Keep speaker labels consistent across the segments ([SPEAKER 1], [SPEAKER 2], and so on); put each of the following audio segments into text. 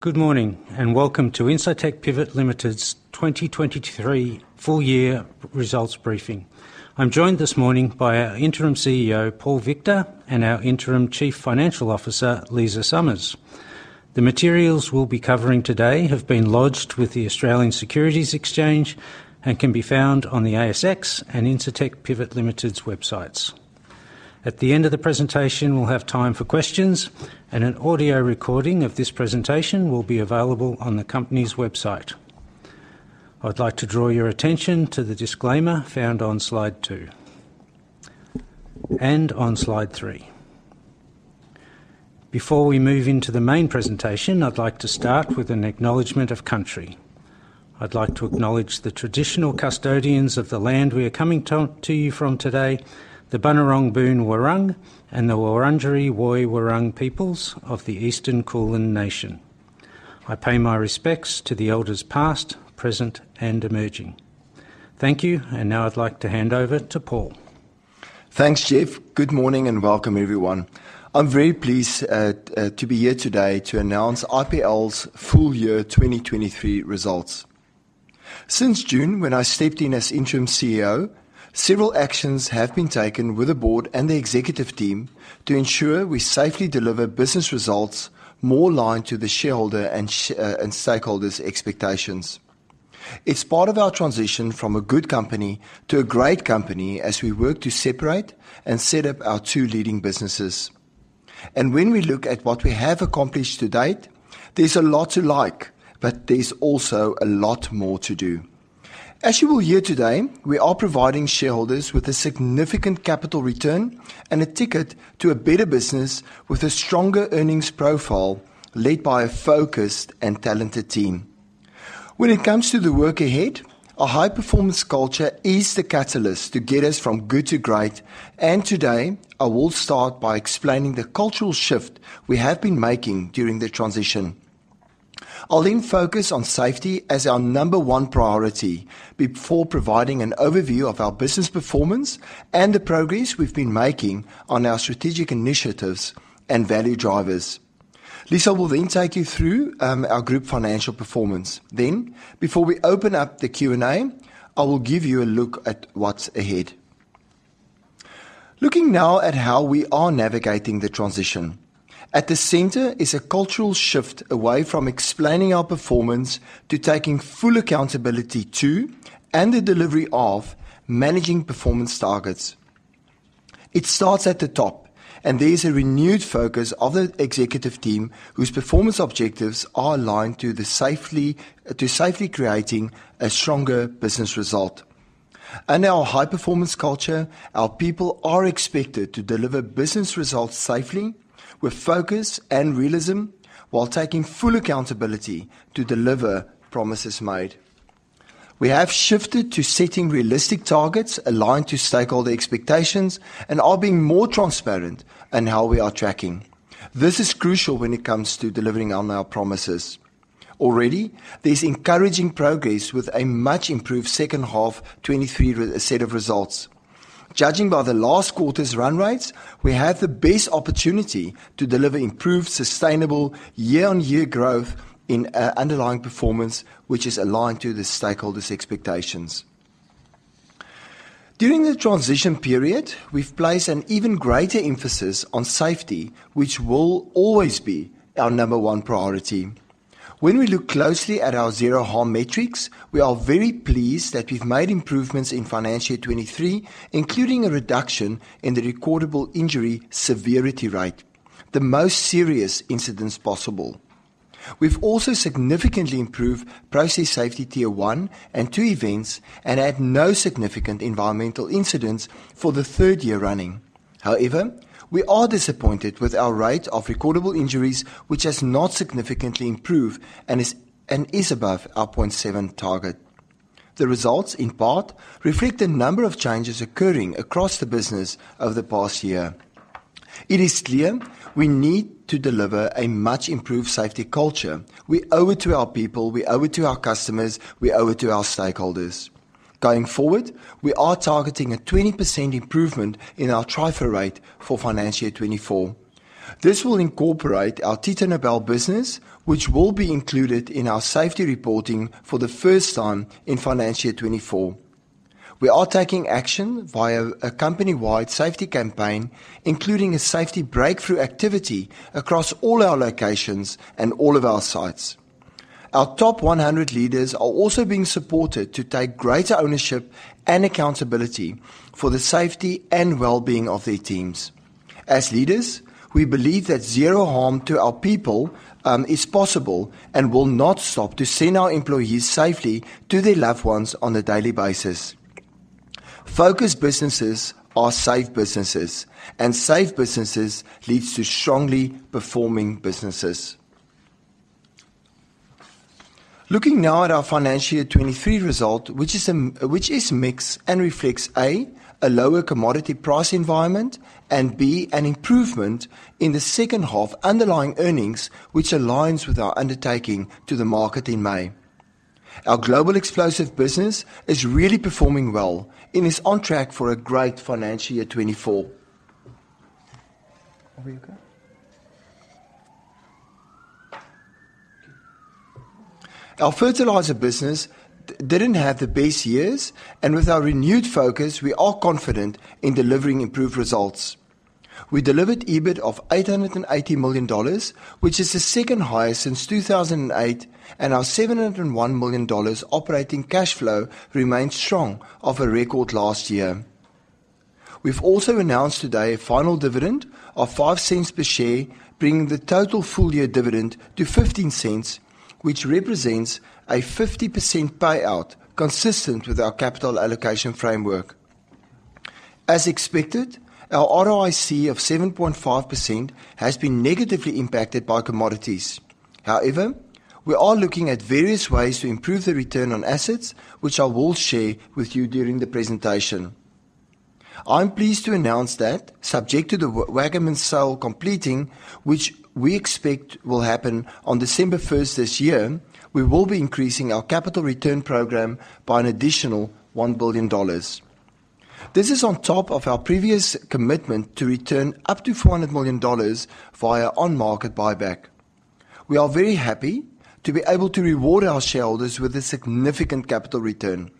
[SPEAKER 1] Good morning, and welcome to Incitec Pivot Limited's 2023 full year results briefing. I'm joined this morning by our Interim CEO, Paul Victor, and our Interim Chief Financial Officer, Liza Somers. The materials we'll be covering today have been lodged with the Australian Securities Exchange and can be found on the ASX and Incitec Pivot Limited's websites. At the end of the presentation, we'll have time for questions, and an audio recording of this presentation will be available on the company's website. I'd like to draw your attention to the disclaimer found on slide two... and on slide three. Before we move into the main presentation, I'd like to start with an acknowledgement of country. I'd like to acknowledge the traditional custodians of the land we are coming to, to you from today, the Bunurong Boon Wurrung, and the Wurundjeri Woi Wurrung peoples of the Eastern Kulin Nation.
[SPEAKER 2] I pay my respects to the elders past, present, and emerging. Thank you, and now I'd like to hand over to Paul.
[SPEAKER 1] Thanks, Geoff. Good morning, and welcome, everyone. I'm very pleased to be here today to announce IPL's full year 2023 results. Since June, when I stepped in as interim CEO, several actions have been taken with the board and the executive team to ensure we safely deliver business results more aligned to the shareholder and stakeholders' expectations. It's part of our transition from a good company to a great company as we work to separate and set up our two leading businesses. When we look at what we have accomplished to date, there's a lot to like, but there's also a lot more to do. As you will hear today, we are providing shareholders with a significant capital return and a ticket to a better business with a stronger earnings profile, led by a focused and talented team. When it comes to the work ahead, a high-performance culture is the catalyst to get us from good to great, and today I will start by explaining the cultural shift we have been making during the transition. I'll then focus on safety as our number one priority before providing an overview of our business performance and the progress we've been making on our strategic initiatives and value drivers. Lisa will then take you through our group financial performance. Then, before we open up the Q&A, I will give you a look at what's ahead. Looking now at how we are navigating the transition. At the center is a cultural shift away from explaining our performance to taking full accountability to, and the delivery of, managing performance targets. It starts at the top, and there's a renewed focus of the executive team, whose performance objectives are aligned to the safely, to safely creating a stronger business result. In our high-performance culture, our people are expected to deliver business results safely, with focus and realism, while taking full accountability to deliver promises made. We have shifted to setting realistic targets aligned to stakeholder expectations and are being more transparent in how we are tracking. This is crucial when it comes to delivering on our promises. Already, there's encouraging progress with a much-improved second half 2023 set of results. Judging by the last quarter's run rates, we have the best opportunity to deliver improved, sustainable year-on-year growth in underlying performance, which is aligned to the stakeholders' expectations. During the transition period, we've placed an even greater emphasis on safety, which will always be our number one priority. When we look closely at our Zero Harm metrics, we are very pleased that we've made improvements in Financial Year 2023, including a reduction in the Recordable Injury Severity Rate, the most serious incidents possible. We've also significantly improved process safety Tier 1 and 2 events and had no significant environmental incidents for the third year running. However, we are disappointed with our rate of recordable injuries, which has not significantly improved and is above our 0.7 target. The results, in part, reflect a number of changes occurring across the business over the past year. It is clear we need to deliver a much-improved safety culture. We owe it to our people, we owe it to our customers, we owe it to our stakeholders. Going forward, we are targeting a 20% improvement in our TRIFR rate for Financial Year 2024. This will incorporate our Titanobel business, which will be included in our safety reporting for the first time in Financial Year 2024. We are taking action via a company-wide safety campaign, including a safety breakthrough activity across all our locations and all of our sites. Our top 100 leaders are also being supported to take greater ownership and accountability for the safety and wellbeing of their teams. As leaders, we believe that Zero Harm to our people is possible and will not stop to send our employees safely to their loved ones on a daily basis. Focused businesses are safe businesses, and safe businesses leads to strongly performing businesses. Looking now at our Financial Year 2023 result, which is mixed and reflects, A, a lower commodity price environment, and B, an improvement in the second half underlying earnings, which aligns with our undertaking to the market in May. Our global explosive business is really performing well and is on track for a great Financial Year 2024. Our fertilizer business didn't have the best years, and with our renewed focus, we are confident in delivering improved results. We delivered EBIT of 880 million dollars, which is the second highest since 2008, and our 701 million dollars operating cash flow remains strong off a record last year. We've also announced today a final dividend of 0.05 per share, bringing the total full year dividend to 0.15, which represents a 50% payout, consistent with our capital allocation framework. As expected, our ROIC of 7.5% has been negatively impacted by commodities. However, we are looking at various ways to improve the return on assets, which I will share with you during the presentation. I'm pleased to announce that subject to the Waggaman sale completing, which we expect will happen on December first this year, we will be increasing our capital return program by an additional $1 billion. This is on top of our previous commitment to return up to $400 million via on-market buyback. We are very happy to be able to reward our shareholders with a significant capital return.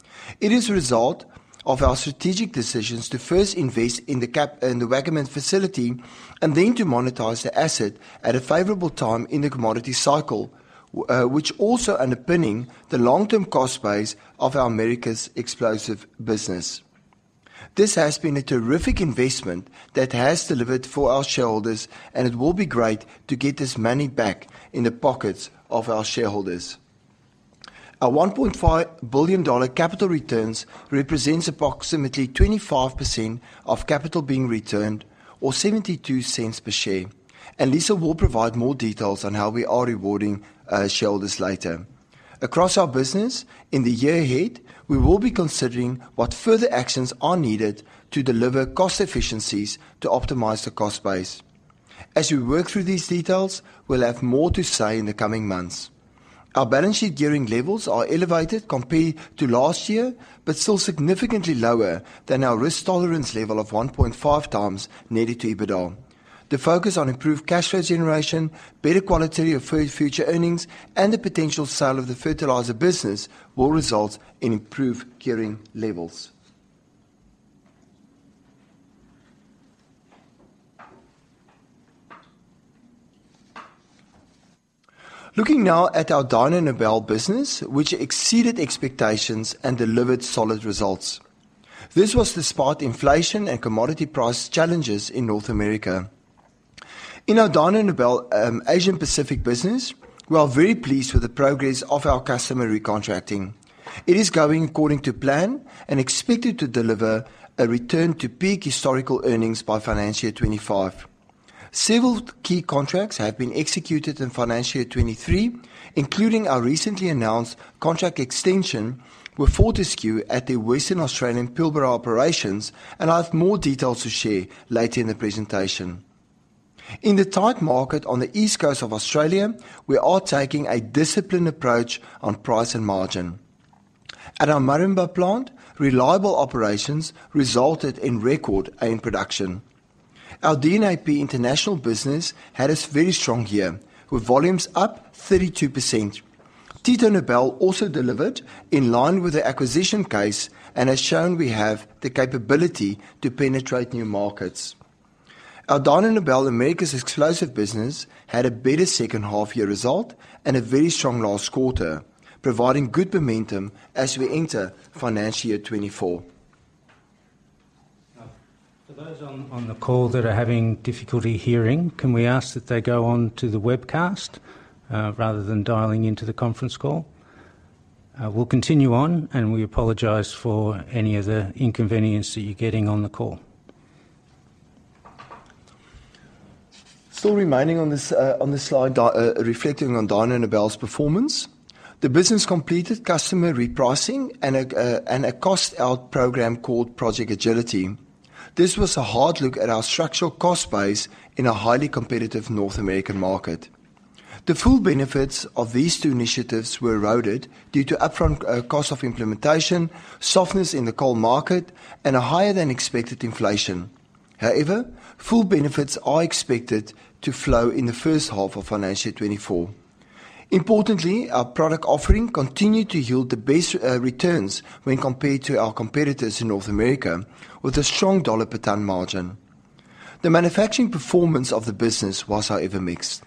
[SPEAKER 1] It is a result of our strategic decisions to first invest in the Waggaman facility, and then to monetize the asset at a favorable time in the commodity cycle, which also underpinning the long-term cost base of our Americas Explosives business. This has been a terrific investment that has delivered for our shareholders, and it will be great to get this money back in the pockets of our shareholders. Our $1.5 billion capital returns represents approximately 25% of capital being returned, or $0.72 per share, and Lisa will provide more details on how we are rewarding our shareholders later. Across our business in the year ahead, we will be considering what further actions are needed to deliver cost efficiencies to optimize the cost base. As we work through these details, we'll have more to say in the coming months. Our balance sheet gearing levels are elevated compared to last year, but still significantly lower than our risk tolerance level of 1.5 times Net Debt to EBITDA. The focus on improved cash flow generation, better quality of future earnings, and the potential sale of the fertilizer business will result in improved gearing levels. Looking now at our Dyno Nobel business, which exceeded expectations and delivered solid results. This was despite inflation and commodity price challenges in North America. In our Dyno Nobel Asia Pacific business, we are very pleased with the progress of our customer recontracting. It is going according to plan and expected to deliver a return to peak historical earnings by Financial Year 2025. Several key contracts have been executed in Financial Year 2023, including our recently announced contract extension with Fortescue at the Western Australian Pilbara operations, and I have more details to share later in the presentation. In the tight market on the East Coast of Australia, we are taking a disciplined approach on price and margin. At our Moranbah plant, reliable operations resulted in record iron production. Our DNAP International business had a very strong year, with volumes up 32%. Titanobel also delivered in line with the acquisition case and has shown we have the capability to penetrate new markets. Our Dyno Nobel Americas explosives business had a better second half-year result and a very strong last quarter, providing good momentum as we enter Financial Year 2024.
[SPEAKER 2] For those on the call that are having difficulty hearing, can we ask that they go on to the webcast, rather than dialing into the conference call? We'll continue on, and we apologize for any of the inconvenience that you're getting on the call.
[SPEAKER 1] Still remaining on this, on this slide, reflecting on Dyno Nobel's performance. The business completed customer repricing and a, and a cost-out program called Project Agility. This was a hard look at our structural cost base in a highly competitive North American market. The full benefits of these two initiatives were eroded due to upfront, cost of implementation, softness in the coal market, and a higher than expected inflation. However, full benefits are expected to flow in the first half of Financial Year 2024. Importantly, our product offering continued to yield the best, returns when compared to our competitors in North America, with a strong $ per ton margin. The manufacturing performance of the business was however mixed.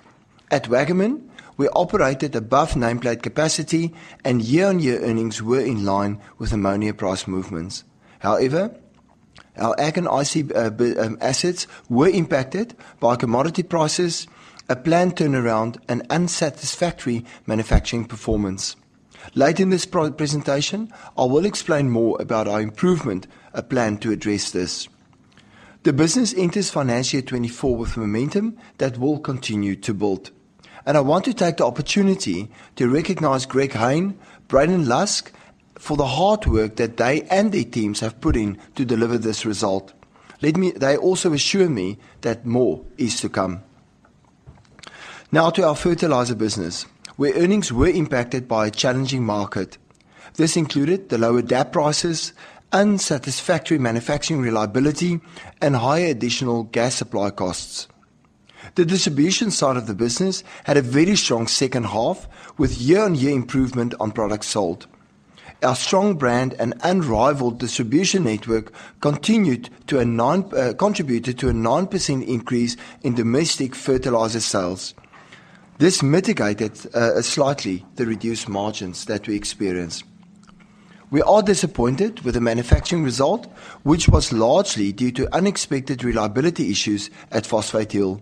[SPEAKER 1] At Waggaman, we operated above nameplate capacity, and year-on-year earnings were in line with ammonia price movements. However, our Ag & IC assets were impacted by commodity prices, a planned turnaround, and unsatisfactory manufacturing performance. Later in this presentation, I will explain more about our improvement plan to address this. The business enters Financial Year 2024 with momentum that will continue to build, and I want to take the opportunity to recognize Greg Hayne, Braden Lusk, for the hard work that they and their teams have put in to deliver this result. They also assure me that more is to come. Now to our fertilizer business, where earnings were impacted by a challenging market. This included the lower DAP prices, unsatisfactory manufacturing reliability, and higher additional gas supply costs. The distribution side of the business had a very strong second half, with year-on-year improvement on products sold. Our strong brand and unrivaled distribution network contributed to a 9% increase in domestic fertilizer sales. This mitigated slightly the reduced margins that we experienced. We are disappointed with the manufacturing result, which was largely due to unexpected reliability issues at Phosphate Hill.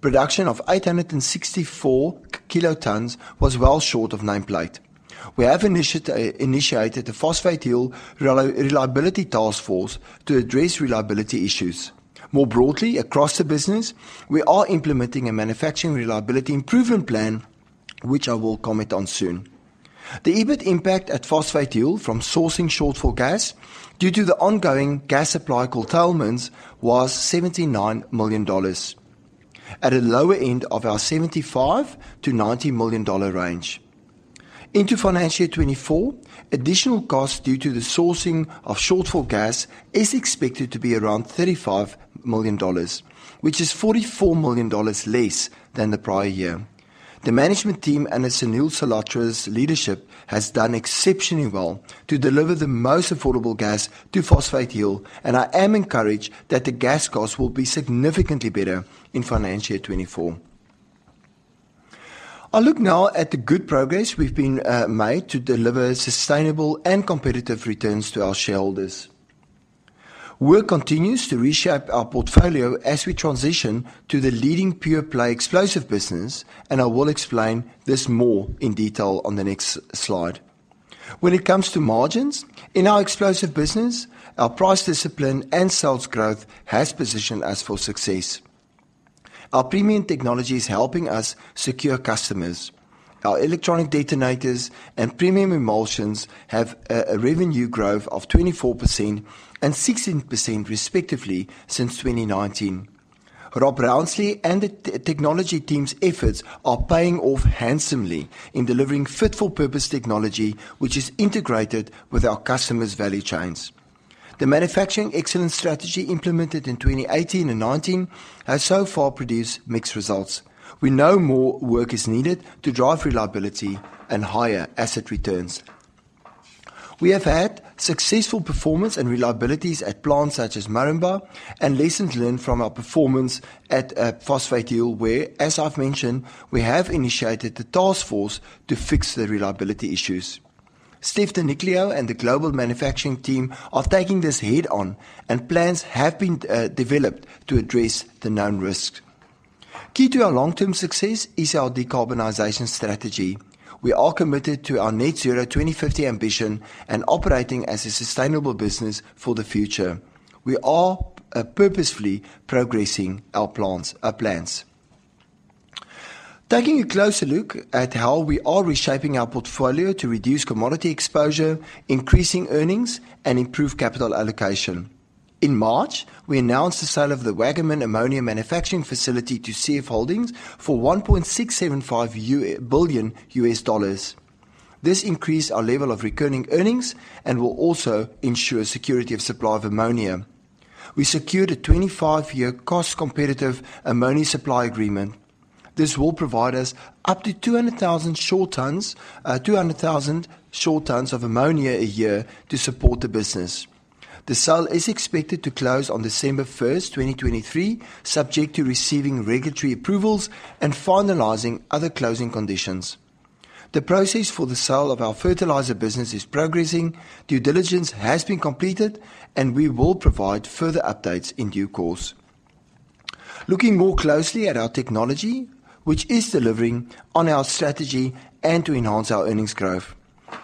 [SPEAKER 1] Production of 864 kilotons was well short of nameplate. We have initiated a Phosphate Hill reliability task force to address reliability issues. More broadly, across the business, we are implementing a manufacturing reliability improvement plan, which I will comment on soon. The EBIT impact at Phosphate Hill from sourcing shortfall gas due to the ongoing gas supply curtailments was 79 million dollars, at a lower end of our 75 million-90 million dollar range. Into Financial Year 2024, additional costs due to the sourcing of shortfall gas is expected to be around AUD 35 million, which is AUD 44 million less than the prior year. The management team under Sunil Salhotra's leadership has done exceptionally well to deliver the most affordable gas to Phosphate Hill, and I am encouraged that the gas costs will be significantly better in Financial Year 2024. I'll look now at the good progress we've been made to deliver sustainable and competitive returns to our shareholders. Work continues to reshape our portfolio as we transition to the leading pure-play explosives business, and I will explain this more in detail on the next slide. When it comes to margins, in our explosives business, our price discipline and sales growth has positioned us for success. Our premium technology is helping us secure customers. Our electronic detonators and premium emulsions have revenue growth of 24% and 16% respectively since 2019. Robert Rounsley and the technology team's efforts are paying off handsomely in delivering fit-for-purpose technology, which is integrated with our customers' value chains. The manufacturing excellence strategy, implemented in 2018 and 2019, has so far produced mixed results. We know more work is needed to drive reliability and higher asset returns. We have had successful performance and reliabilities at plants such as Moranbah and lessons learned from our performance at Phosphate Hill, where, as I've mentioned, we have initiated a task force to fix the reliability issues. Stephenie De Nichilo and the global manufacturing team are taking this head-on and plans have been developed to address the known risks. Key to our long-term success is our decarbonization strategy. We are committed to our Net Zero 2050 ambition and operating as a sustainable business for the future. We are purposefully progressing our plans, our plans. Taking a closer look at how we are reshaping our portfolio to reduce commodity exposure, increasing earnings, and improve capital allocation. In March, we announced the sale of the Waggaman ammonia manufacturing facility to CF Industries Holdings for $1.675 billion. This increased our level of recurring earnings and will also ensure security of supply of ammonia. We secured a 25-year cost-competitive ammonia supply agreement. This will provide us up to 200,000 short tons, 200,000 short tons of ammonia a year to support the business. The sale is expected to close on December 1st, 2023, subject to receiving regulatory approvals and finalizing other closing conditions. The process for the sale of our fertilizer business is progressing. Due diligence has been completed, and we will provide further updates in due course. Looking more closely at our technology, which is delivering on our strategy and to enhance our earnings growth.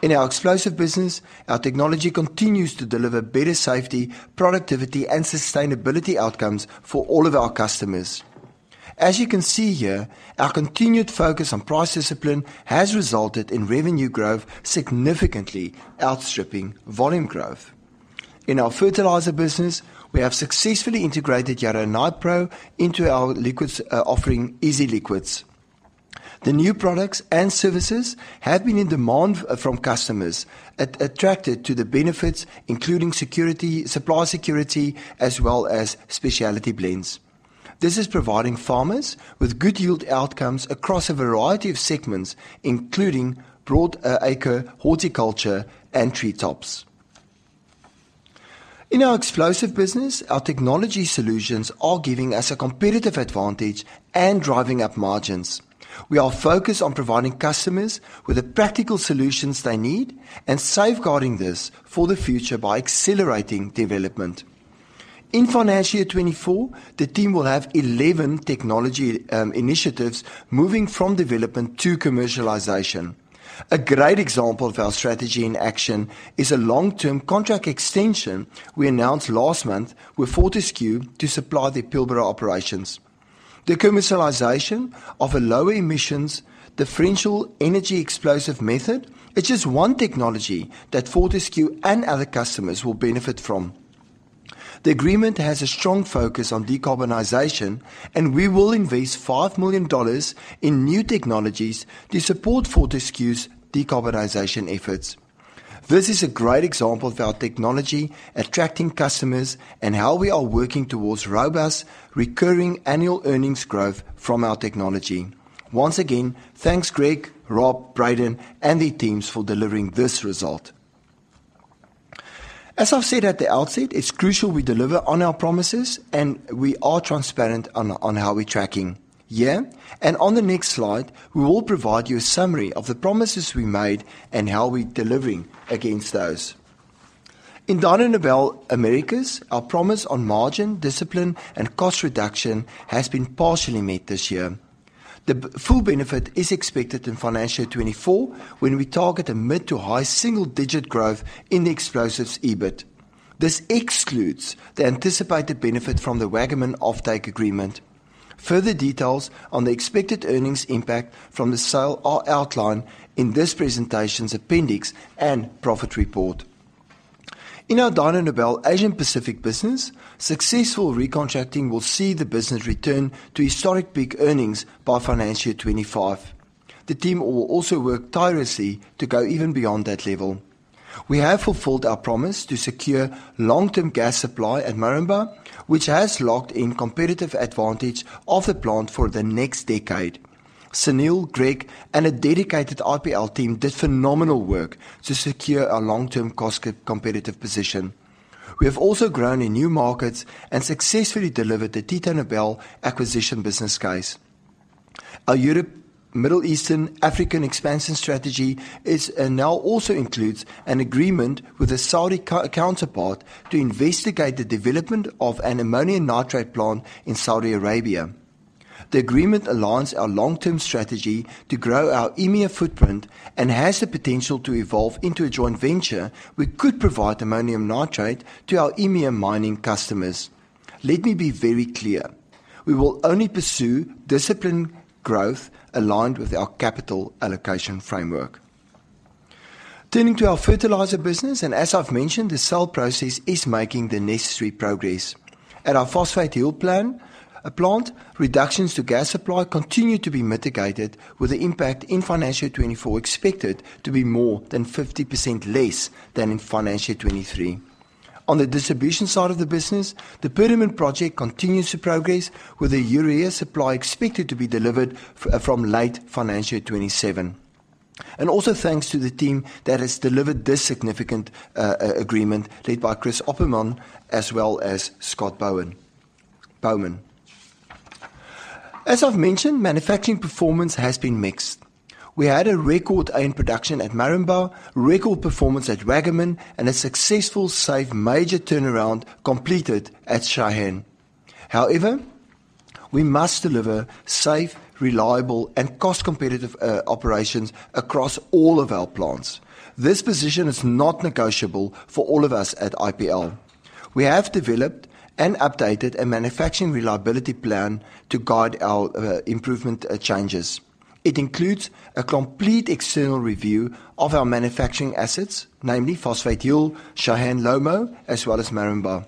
[SPEAKER 1] In our explosives business, our technology continues to deliver better safety, productivity, and sustainability outcomes for all of our customers. As you can see here, our continued focus on price discipline has resulted in revenue growth significantly outstripping volume growth. In our fertilizer business, we have successfully integrated Yara Nipro into our liquids offering Easy Liquids. The new products and services have been in demand from customers attracted to the benefits, including security, supply security, as well as specialty blends. This is providing farmers with good yield outcomes across a variety of segments, including broad acre, horticulture, and tree crops. In our explosives business, our technology solutions are giving us a competitive advantage and driving up margins. We are focused on providing customers with the practical solutions they need and safeguarding this for the future by accelerating development. In Financial Year 2024, the team will have 11 technology initiatives moving from development to commercialization. A great example of our strategy in action is a long-term contract extension we announced last month with Fortescue to supply the Pilbara operations. The commercialization of a lower emissions Differential Energy explosive method is just one technology that Fortescue and other customers will benefit from. The agreement has a strong focus on decarbonization, and we will invest 5 million dollars in new technologies to support Fortescue's decarbonization efforts. This is a great example of our technology attracting customers and how we are working towards robust, recurring annual earnings growth from our technology. Once again, thanks, Greg, Rob, Braden, and their teams for delivering this result. As I've said at the outset, it's crucial we deliver on our promises, and we are transparent on how we're tracking. Here, and on the next slide, we will provide you a summary of the promises we made and how we're delivering against those. In Dyno Nobel Americas, our promise on margin, discipline, and cost reduction has been partially met this year. The full benefit is expected in financial 2024, when we target a mid to high single-digit growth in the explosives EBIT. This excludes the anticipated benefit from the Waggaman offtake agreement. Further details on the expected earnings impact from the sale are outlined in this presentation's appendix and profit report. In our Dyno Nobel Asia Pacific business, successful recontracting will see the business return to historic peak earnings by financial 2025. The team will also work tirelessly to go even beyond that level. We have fulfilled our promise to secure long-term gas supply at Moranbah, which has locked in competitive advantage of the plant for the next decade. Sunil, Greg, and a dedicated IPL team did phenomenal work to secure a long-term cost competitive position. We have also grown in new markets and successfully delivered the Titanobel acquisition business case. Our Europe, Middle East, and Africa expansion strategy is now also includes an agreement with a Saudi counterpart to investigate the development of an ammonium nitrate plant in Saudi Arabia. The agreement aligns our long-term strategy to grow our EMEA footprint and has the potential to evolve into a joint venture. We could provide ammonium nitrate to our EMEA mining customers. Let me be very clear. We will only pursue disciplined growth aligned with our capital allocation framework. Turning to our fertilizer business, and as I've mentioned, the sale process is making the necessary progress. At our Phosphate Hill plant, reductions to gas supply continue to be mitigated, with the impact in financial 2024 expected to be more than 50% less than in financial 2023. On the distribution side of the business, the Perdaman project continues to progress, with the urea supply expected to be delivered from late financial 2027. Also thanks to the team that has delivered this significant agreement, led by Chris Opperman, as well as Scott Bowman. As I've mentioned, manufacturing performance has been mixed. We had a record iron production at Moranbah, record performance at Waggaman, and a successful, safe, major turnaround completed at Cheyenne. However, we must deliver safe, reliable, and cost-competitive operations across all of our plants. This position is not negotiable for all of us at IPL. We have developed and updated a manufacturing reliability plan to guide our improvement changes. It includes a complete external review of our manufacturing assets, namely Phosphate Hill, Cheyenne, LOMO, as well as Moranbah.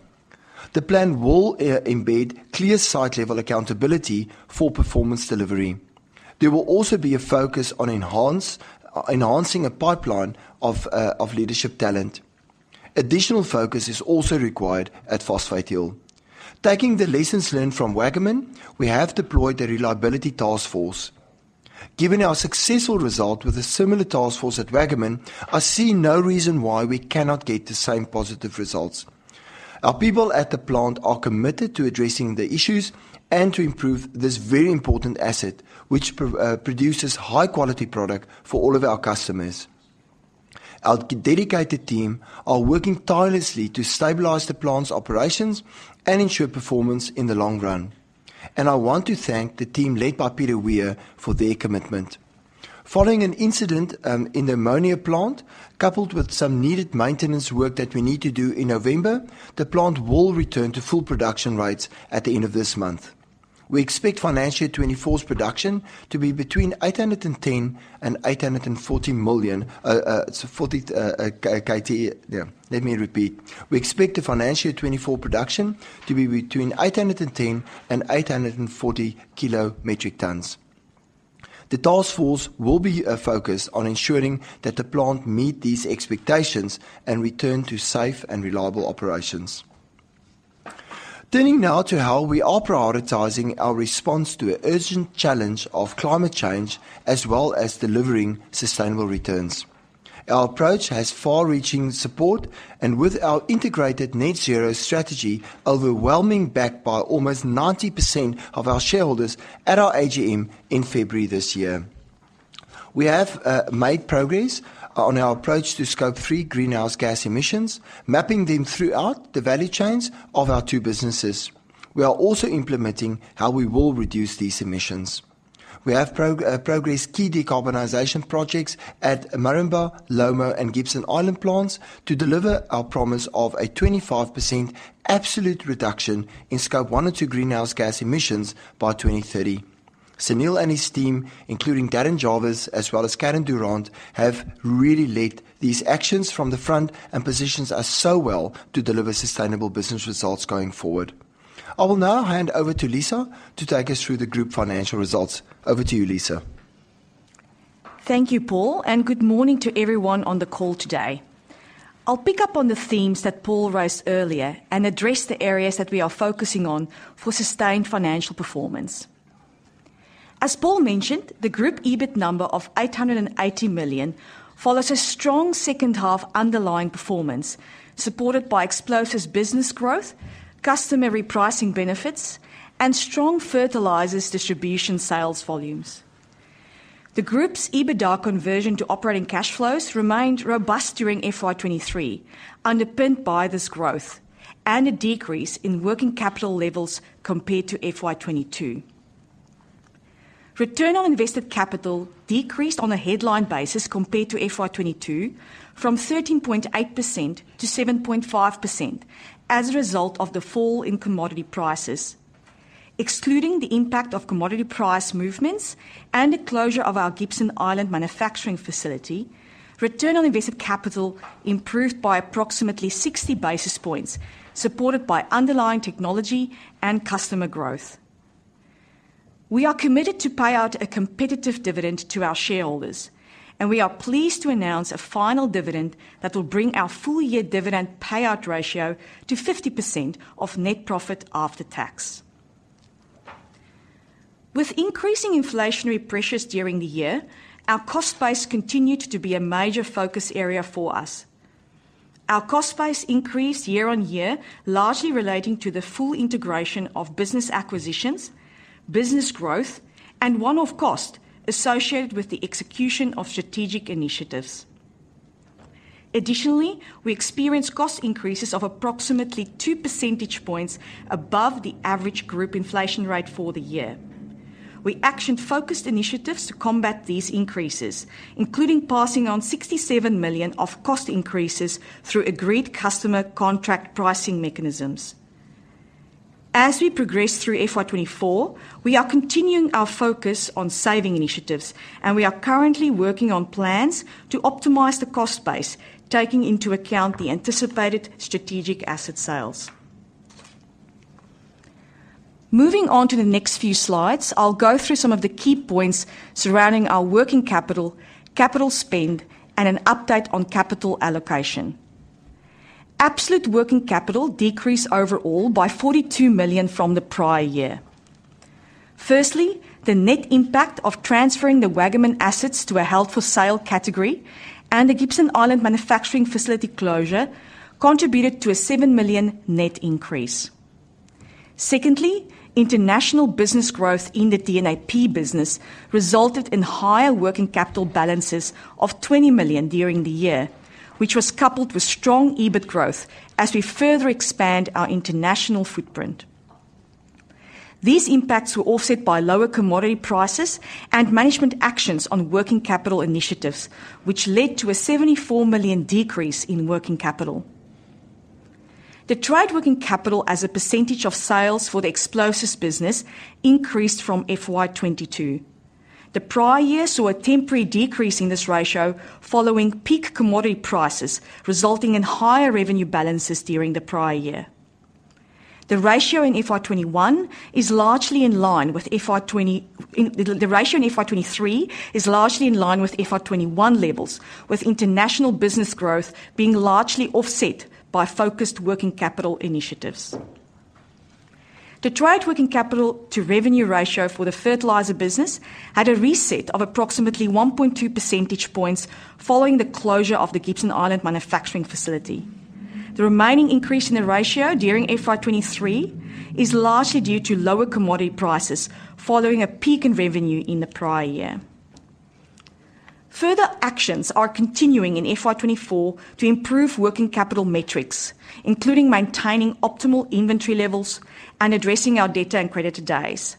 [SPEAKER 1] The plan will embed clear site-level accountability for performance delivery. There will also be a focus on enhancing a pipeline of leadership talent. Additional focus is also required at Phosphate Hill. Taking the lessons learned from Waggaman, we have deployed a reliability task force. Given our successful result with a similar task force at Waggaman, I see no reason why we cannot get the same positive results. Our people at the plant are committed to addressing the issues and to improve this very important asset, which produces high-quality product for all of our customers. Our dedicated team are working tirelessly to stabilize the plant's operations and ensure performance in the long run, and I want to thank the team led by Peter Weir for their commitment. Following an incident in the ammonia plant, coupled with some needed maintenance work that we need to do in November, the plant will return to full production rates at the end of this month. We expect financial 2024's production to be between 810 and 840 million KT. Yeah, let me repeat. We expect the financial 2024 production to be between 810 and 840 kilo metric tonnes. The task force will be focused on ensuring that the plant meet these expectations and return to safe and reliable operations. Turning now to how we are prioritizing our response to an urgent challenge of climate change, as well as delivering sustainable returns. Our approach has far-reaching support, and with our integrated Net Zero strategy, overwhelmingly backed by almost 90% of our shareholders at our AGM in February this year. We have made progress on our approach to Scope 3 greenhouse gas emissions, mapping them throughout the value chains of our two businesses. We are also implementing how we will reduce these emissions. We have progressed key decarbonization projects at Moranbah, LOMO, and Gibson Island plants to deliver our promise of a 25% absolute reduction in Scope 1 or 2 greenhouse gas emissions by 2030. Sunil and his team, including Daryn Jarvis, as well as Karen Durant, have really led these actions from the front and positions us so well to deliver sustainable business results going forward. I will now hand over to Lisa to take us through the group financial results. Over to you, Liza.
[SPEAKER 3] Thank you, Paul, and good morning to everyone on the call today. I'll pick up on the themes that Paul raised earlier and address the areas that we are focusing on for sustained financial performance. As Paul mentioned, the group EBIT number of 800 million follows a strong second half underlying performance, supported by explosives business growth, customary pricing benefits, and strong fertilizers distribution sales volumes. The group's EBITDA conversion to operating cash flows remained robust during FY 2023, underpinned by this growth and a decrease in working capital levels compared to FY 2022. Return on invested capital decreased on a headline basis compared to FY 2022, from 13.8% to 7.5%, as a result of the fall in commodity prices. Excluding the impact of commodity price movements and the closure of our Gibson Island manufacturing facility, return on invested capital improved by approximately 60 basis points, supported by underlying technology and customer growth. We are committed to pay out a competitive dividend to our shareholders, and we are pleased to announce a final dividend that will bring our full year dividend payout ratio to 50% of net profit after tax. With increasing inflationary pressures during the year, our cost base continued to be a major focus area for us. Our cost base increased year-on-year, largely relating to the full integration of business acquisitions, business growth, and one-off cost associated with the execution of strategic initiatives. Additionally, we experienced cost increases of approximately 2 percentage points above the average group inflation rate for the year. We actioned focused initiatives to combat these increases, including passing on 67 million of cost increases through agreed customer contract pricing mechanisms. As we progress through FY 2024, we are continuing our focus on saving initiatives, and we are currently working on plans to optimize the cost base, taking into account the anticipated strategic asset sales. Moving on to the next few slides, I'll go through some of the key points surrounding our working capital, capital spend, and an update on capital allocation. Absolute working capital decreased overall by 42 million from the prior year. Firstly, the net impact of transferring the Waggaman assets to a held for sale category and the Gibson Island manufacturing facility closure contributed to a 7 million net increase. Secondly, international business growth in the DNAP business resulted in higher working capital balances of 20 million during the year, which was coupled with strong EBIT growth as we further expand our international footprint. These impacts were offset by lower commodity prices and management actions on working capital initiatives, which led to an 74 million decrease in working capital. The trade working capital as a percentage of sales for the explosives business increased from FY 2022. The prior year saw a temporary decrease in this ratio following peak commodity prices, resulting in higher revenue balances during the prior year. The ratio in FY 2021 is largely in line with FY twenty... The ratio in FY 2023 is largely in line with FY 2021 levels, with international business growth being largely offset by focused working capital initiatives. The trade working capital to revenue ratio for the fertilizer business had a reset of approximately 1.2 percentage points following the closure of the Gibson Island manufacturing facility. The remaining increase in the ratio during FY 2023 is largely due to lower commodity prices, following a peak in revenue in the prior year. Further actions are continuing in FY 2024 to improve working capital metrics, including maintaining optimal inventory levels and addressing our debtor and creditor days.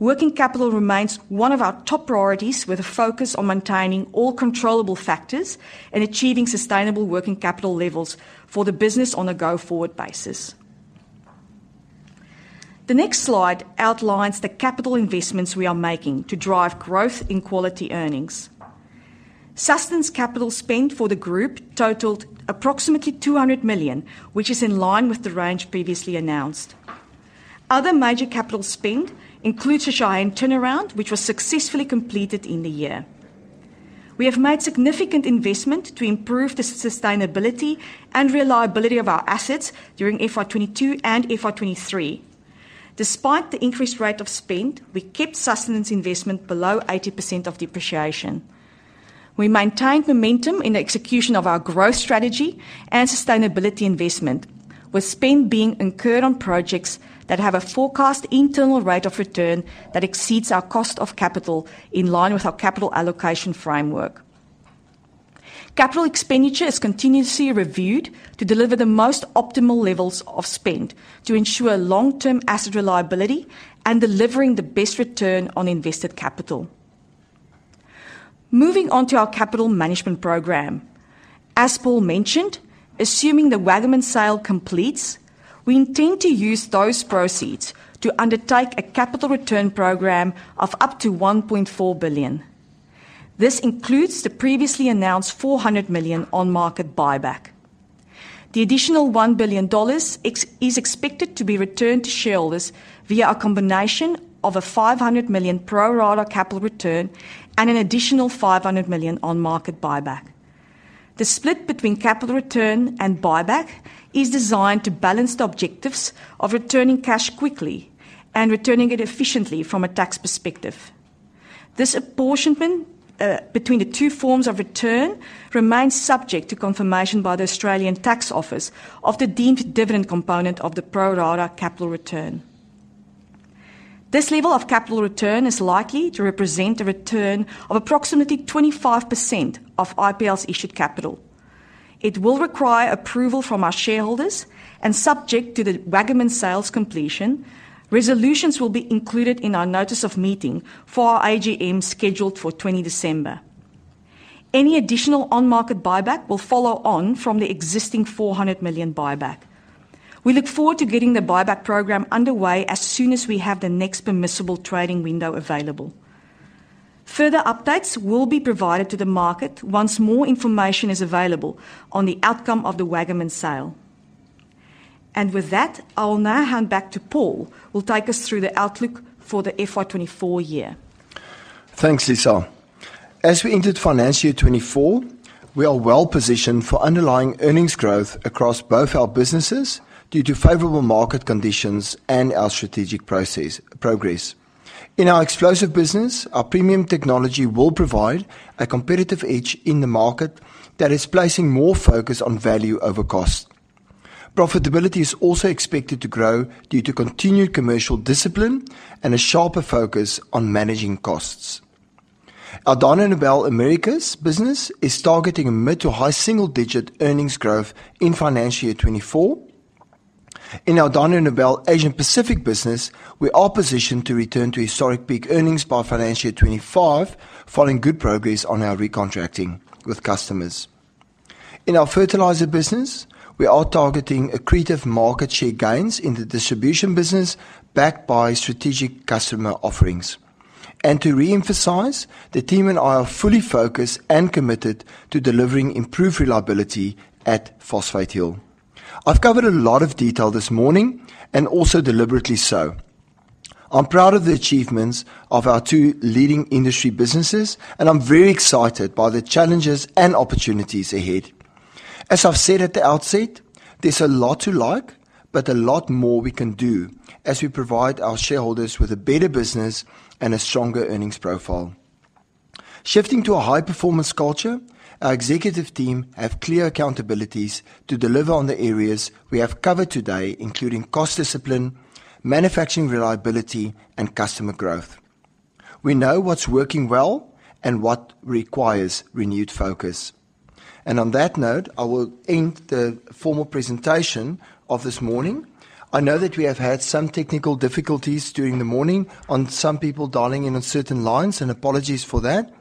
[SPEAKER 3] Working capital remains one of our top priorities, with a focus on maintaining all controllable factors and achieving sustainable working capital levels for the business on a go-forward basis. The next slide outlines the capital investments we are making to drive growth in quality earnings. Sustaining capital spend for the group totaled approximately 200 million, which is in line with the range previously announced. Other major capital spend includes the Cheyenne turnaround, which was successfully completed in the year. We have made significant investment to improve the sustainability and reliability of our assets during FY 2022 and FY 2023. Despite the increased rate of spend, we kept sustenance investment below 80% of depreciation. We maintained momentum in the execution of our growth strategy and sustainability investment, with spend being incurred on projects that have a forecast internal rate of return that exceeds our cost of capital in line with our capital allocation framework. Capital expenditure is continuously reviewed to deliver the most optimal levels of spend to ensure long-term asset reliability and delivering the best return on invested capital.... Moving on to our capital management program. As Paul mentioned, assuming the Waggaman sale completes, we intend to use those proceeds to undertake a capital return program of up to $1.4 billion. This includes the previously announced 400 million on-market buyback. The additional 1 billion dollars is expected to be returned to shareholders via a combination of a 500 million pro rata capital return and an additional 500 million on-market buyback. The split between capital return and buyback is designed to balance the objectives of returning cash quickly and returning it efficiently from a tax perspective. This apportionment between the two forms of return remains subject to confirmation by the Australian Tax Office of the deemed dividend component of the pro rata capital return. This level of capital return is likely to represent a return of approximately 25% of IPL's issued capital. It will require approval from our shareholders, and subject to the Waggaman sale's completion, resolutions will be included in our notice of meeting for our AGM, scheduled for 20 December. Any additional on-market buyback will follow on from the existing 400 million buyback. We look forward to getting the buyback program underway as soon as we have the next permissible trading window available. Further updates will be provided to the market once more information is available on the outcome of the Waggaman sale. With that, I'll now hand back to Paul, who will take us through the outlook for the FY 2024 year.
[SPEAKER 1] Thanks, Lisa. As we entered Financial Year 2024, we are well positioned for underlying earnings growth across both our businesses due to favorable market conditions and our strategic process, progress. In our explosive business, our premium technology will provide a competitive edge in the market that is placing more focus on value over cost. Profitability is also expected to grow due to continued commercial discipline and a sharper focus on managing costs. Our Dyno Nobel Americas business is targeting a mid- to high single-digit earnings growth in Financial Year 2024. In our Dyno Nobel Asia Pacific business, we are positioned to return to historic peak earnings by Financial Year 2025, following good progress on our recontracting with customers. In our fertilizer business, we are targeting accretive market share gains in the distribution business, backed by strategic customer offerings. To reemphasize, the team and I are fully focused and committed to delivering improved reliability at Phosphate Hill. I've covered a lot of detail this morning and also deliberately so. I'm proud of the achievements of our two leading industry businesses, and I'm very excited by the challenges and opportunities ahead. As I've said at the outset, there's a lot to like, but a lot more we can do as we provide our shareholders with a better business and a stronger earnings profile. Shifting to a high-performance culture, our executive team have clear accountabilities to deliver on the areas we have covered today, including cost discipline, manufacturing reliability, and customer growth. We know what's working well and what requires renewed focus. On that note, I will end the formal presentation of this morning. I know that we have had some technical difficulties during the morning on some people dialing in on certain lines, and apologies for that.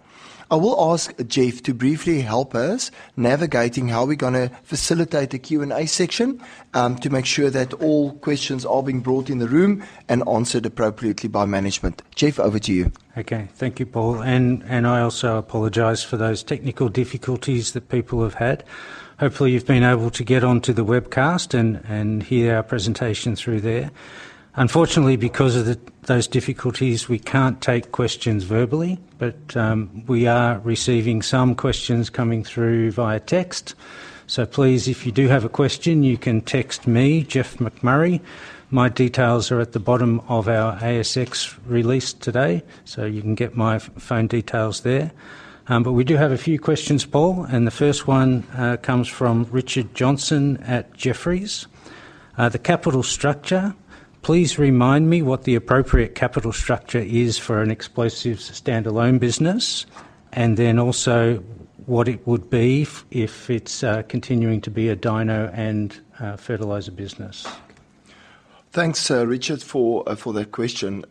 [SPEAKER 1] I will ask Geoff to briefly help us navigating how we're gonna facilitate the Q&A section, to make sure that all questions are being brought in the room and answered appropriately by management. Geoff, over to you.
[SPEAKER 2] Okay. Thank you, Paul, and I also apologize for those technical difficulties that people have had. Hopefully, you've been able to get onto the webcast and hear our presentation through there. Unfortunately, because of those difficulties, we can't take questions verbally, but we are receiving some questions coming through via text. So please, if you do have a question, you can text me, Geoff McMurray. My details are at the bottom of our ASX release today, so you can get my phone details there. But we do have a few questions, Paul, and the first one comes from Richard Johnson at Jefferies. "The capital structure, please remind me what the appropriate capital structure is for an explosives standalone business, and then also what it would be if it's continuing to be a Dyno and fertilizer business?
[SPEAKER 1] Thanks, Richard, for that question.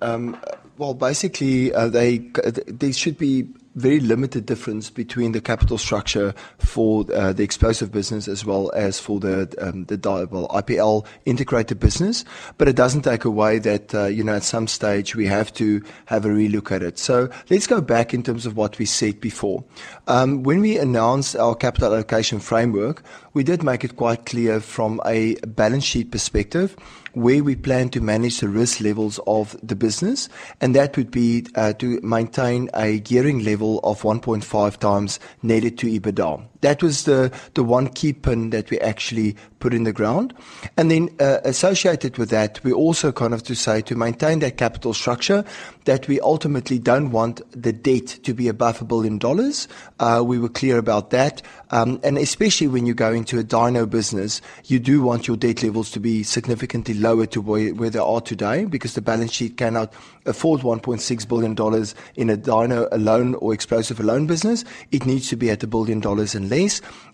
[SPEAKER 1] Well, basically, they, there should be very limited difference between the capital structure for the explosive business as well as for the the Dyno-- well, IPL integrated business. But it doesn't take away that, you know, at some stage we have to have a relook at it. So let's go back in terms of what we said before. When we announced our capital allocation framework, we did make it quite clear from a balance sheet perspective where we plan to manage the risk levels of the business, and that would be to maintain a gearing level of 1.5 times Net Debt to EBITDA. That was the one key pin that we actually put in the ground. Then, associated with that, we also kind of to say to maintain that capital structure, that we ultimately don't want the debt to be above 1 billion dollars. We were clear about that. Especially when you go into a dyno business, you do want your debt levels to be significantly lower to where, where they are today, because the balance sheet cannot afford 1.6 billion dollars in a dyno alone or explosive alone business. It needs to be at 1 billion dollars and less,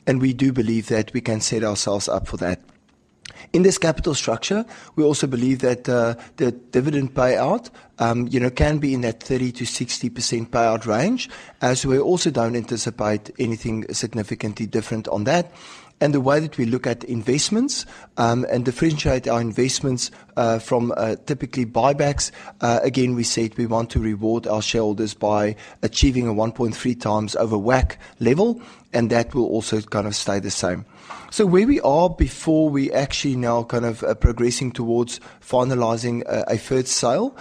[SPEAKER 1] and we do believe that we can set ourselves up for that... In this capital structure, we also believe that, the dividend payout, you know, can be in that 30%-60% payout range, as we also don't anticipate anything significantly different on that. The way that we look at investments, and differentiate our investments, from, typically buybacks, again, we said we want to reward our shareholders by achieving a 1.3 times over WACC level, and that will also kind of stay the same. So where we are before we actually now kind of, progressing towards finalising, a fert sale,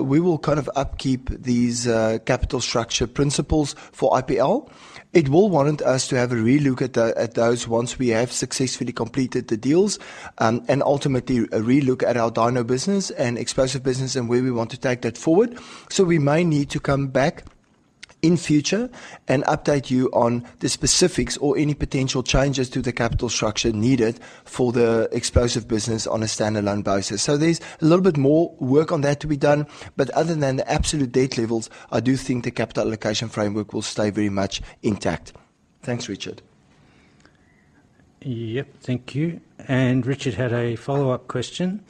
[SPEAKER 1] we will kind of upkeep these, capital structure principles for IPL. It will warrant us to have a relook at the, at those once we have successfully completed the deals, and ultimately a relook at our dyno business and explosive business and where we want to take that forward. So we may need to come back in future and update you on the specifics or any potential changes to the capital structure needed for the explosive business on a standalone basis. So there's a little bit more work on that to be done, but other than the absolute debt levels, I do think the capital allocation framework will stay very much intact. Thanks, Richard.
[SPEAKER 2] Yep, thank you. Richard had a follow-up question: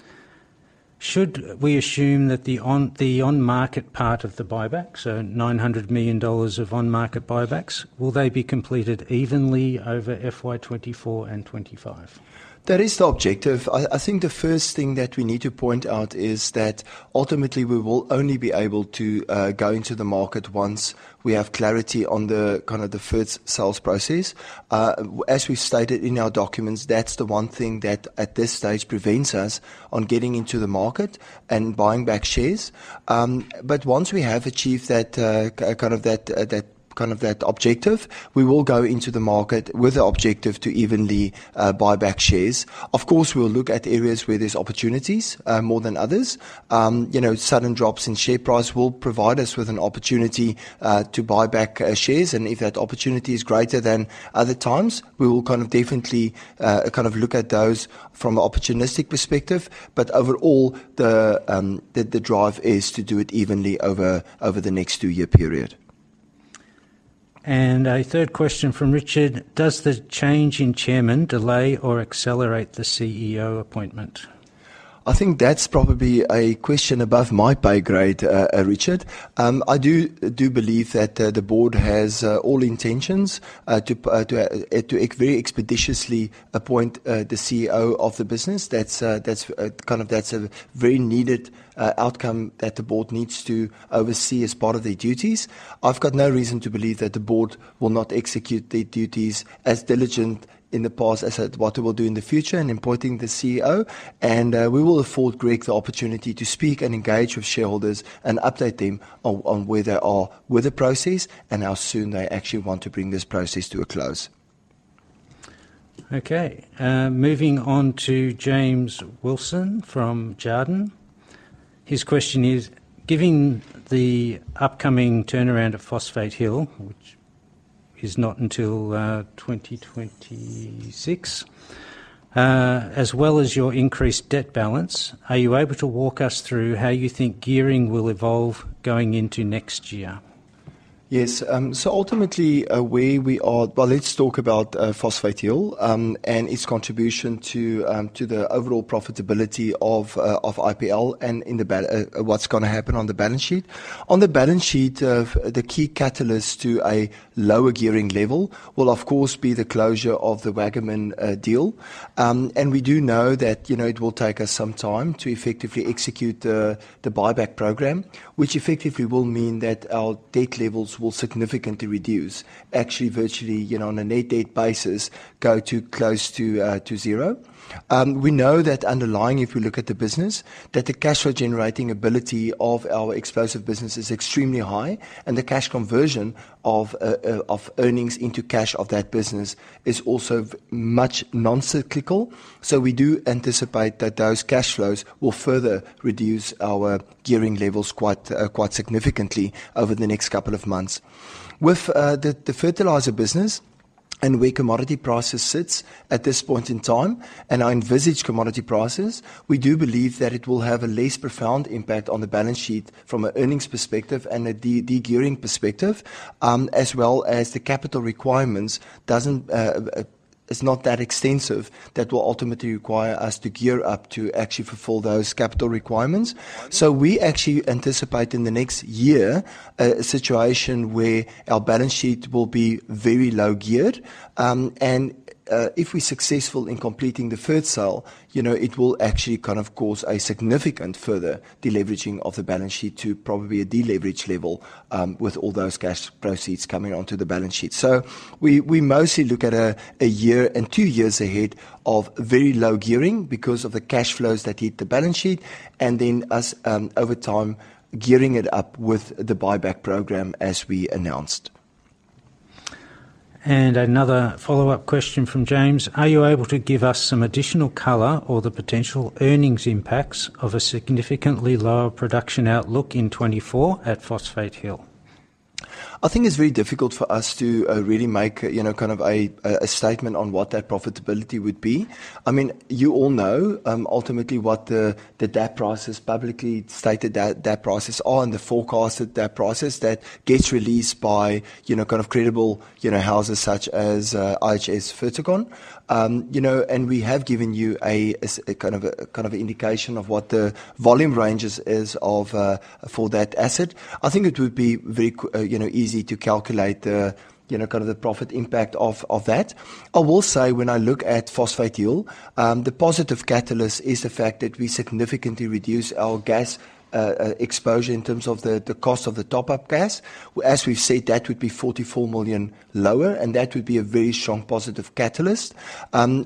[SPEAKER 2] Should we assume that the on-market part of the buyback, so 900 million dollars of on-market buybacks, will they be completed evenly over FY 2024 and 2025?
[SPEAKER 1] That is the objective. I think the first thing that we need to point out is that ultimately, we will only be able to go into the market once we have clarity on the kind of the fert sales process. As we stated in our documents, that's the one thing that at this stage prevents us on getting into the market and buying back shares. But once we have achieved that, kind of that objective, we will go into the market with the objective to evenly buy back shares. Of course, we'll look at areas where there's opportunities, more than others. You know, sudden drops in share price will provide us with an opportunity to buy back shares, and if that opportunity is greater than other times, we will kind of definitely kind of look at those from an opportunistic perspective. But overall, the drive is to do it evenly over the next two-year period.
[SPEAKER 2] A third question from Richard: Does the change in chairman delay or accelerate the CEO appointment?
[SPEAKER 1] I think that's probably a question above my pay grade, Richard. I do believe that the board has all intentions to very expeditiously appoint the CEO of the business. That's kind of a very needed outcome that the board needs to oversee as part of their duties. I've got no reason to believe that the board will not execute their duties as diligent in the past as at what they will do in the future in appointing the CEO. And we will afford Greg the opportunity to speak and engage with shareholders and update them on where they are with the process and how soon they actually want to bring this process to a close.
[SPEAKER 2] Okay, moving on to James Wilson from Jarden. His question is: Given the upcoming turnaround of Phosphate Hill, which is not until 2026, as well as your increased debt balance, are you able to walk us through how you think gearing will evolve going into next year?
[SPEAKER 1] Yes, so ultimately, where we are... Well, let's talk about Phosphate Hill, and its contribution to the overall profitability of of IPL and in the ba- what's gonna happen on the balance sheet. On the balance sheet, the key catalyst to a lower gearing level will, of course, be the closure of the Waggaman deal. And we do know that, you know, it will take us some time to effectively execute the buyback program, which effectively will mean that our debt levels will significantly reduce. Actually, virtually, you know, on a net debt basis, go to close to to zero. We know that underlying, if we look at the business, that the cash flow generating ability of our explosive business is extremely high, and the cash conversion of earnings into cash of that business is also much non-cyclical. So we do anticipate that those cash flows will further reduce our gearing levels quite significantly over the next couple of months. With the fertilizer business and where commodity prices sit at this point in time, and our envisaged commodity prices, we do believe that it will have a less profound impact on the balance sheet from an earnings perspective and a de-gearing perspective, as well as the capital requirements is not that extensive, that will ultimately require us to gear up to actually fulfil those capital requirements. So we actually anticipate in the next year, a situation where our balance sheet will be very low geared. And if we're successful in completing the fert sale, you know, it will actually kind of cause a significant further deleveraging of the balance sheet to probably a deleverage level, with all those cash proceeds coming onto the balance sheet. So we mostly look at a year and two years ahead of very low gearing because of the cash flows that hit the balance sheet and then, over time, gearing it up with the buyback program as we announced.
[SPEAKER 2] Another follow-up question from James: Are you able to give us some additional color or the potential earnings impacts of a significantly lower production outlook in 2024 at Phosphate Hill?
[SPEAKER 1] I think it's very difficult for us to really make, you know, kind of a statement on what that profitability would be. I mean, you all know ultimately what the DAP prices publicly stated that DAP prices are, and the forecasted DAP prices that gets released by, you know, kind of credible houses such as IHS Fertecon. You know, and we have given you a kind of an indication of what the volume ranges is of for that asset. I think it would be very you know, easy to calculate the you know, kind of the profit impact of that. I will say, when I look at Phosphate Hill, the positive catalyst is the fact that we significantly reduce our gas exposure in terms of the cost of the top-up gas. As we've said, that would be 44 million lower, and that would be a very strong positive catalyst.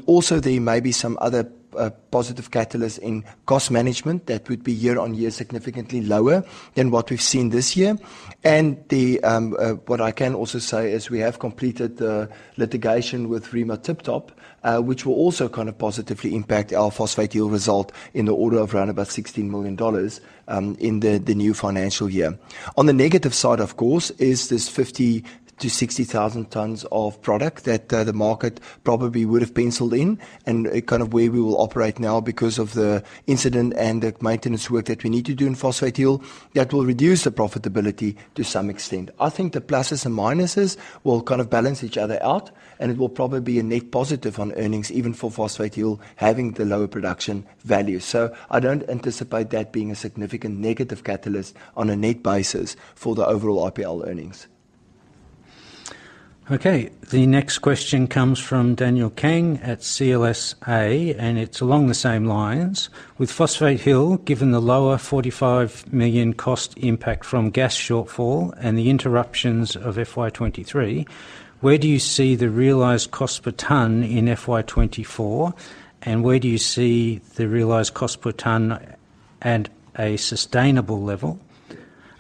[SPEAKER 1] Also, there may be some other positive catalyst in cost management that would be year-on-year, significantly lower than what we've seen this year. And what I can also say is we have completed the litigation with Rema Tip Top, which will also kind of positively impact our Phosphate Hill result in the order of around about 16 million dollars in the new Financial Year. On the negative side, of course, is this 50,000-60,000 tons of product that, the market probably would have pencilled in, and, kind of where we will operate now because of the incident and the maintenance work that we need to do in Phosphate Hill, that will reduce the profitability to some extent. I think the pluses and minuses will kind of balance each other out, and it will probably be a net positive on earnings, even for Phosphate Hill, having the lower production value. So I don't anticipate that being a significant negative catalyst on a net basis for the overall IPL earnings.
[SPEAKER 2] Okay, the next question comes from Daniel Kang at CLSA, and it's along the same lines: With Phosphate Hill, given the lower 45 million cost impact from gas shortfall and the interruptions of FY 2023, where do you see the realized cost per tonne in FY 2024, and where do you see the realized cost per tonne at a sustainable level?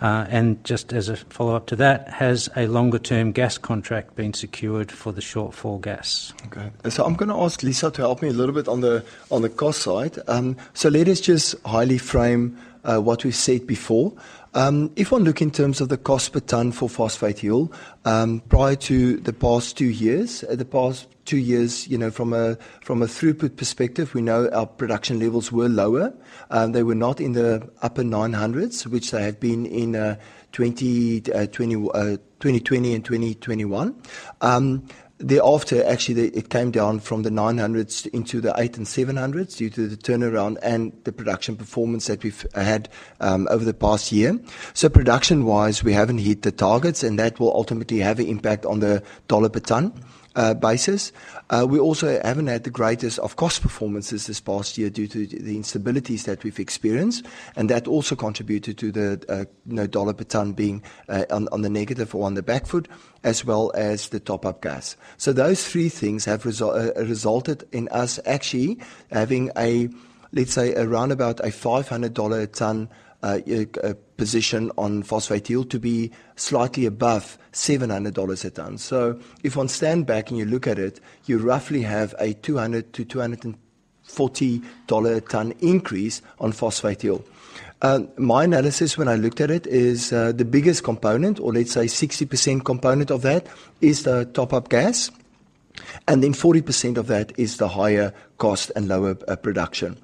[SPEAKER 2] And just as a follow-up to that, has a longer-term gas contract been secured for the shortfall gas?
[SPEAKER 1] Okay, so I'm gonna ask Lisa to help me a little bit on the, on the cost side. So let us just highly frame what we've said before. If one look in terms of the cost per ton for Phosphate Hill, prior to the past two years, the past two years, you know, from a throughput perspective, we know our production levels were lower. They were not in the upper 900s, which they had been in 2020 and 2021. Thereafter, actually, it came down from the 900s into the 800s and 700s due to the turnaround and the production performance that we've had over the past year. So production-wise, we haven't hit the targets, and that will ultimately have an impact on the AUD per ton basis. We also haven't had the greatest of cost performances this past year due to the instabilities that we've experienced, and that also contributed to the, you know, dollar per tonne being on the negative or on the back foot, as well as the top-up gas. So those three things have resulted in us actually having a, let's say, around about a 500 dollar a tonne position on Phosphate Hill to be slightly above 700 dollars a tonne. So if one stand back and you look at it, you roughly have a 200-240 dollar a tonne increase on Phosphate Hill. My analysis when I looked at it is, the biggest component, or let's say 60% component of that, is the top-up gas, and then 40% of that is the higher cost and lower production.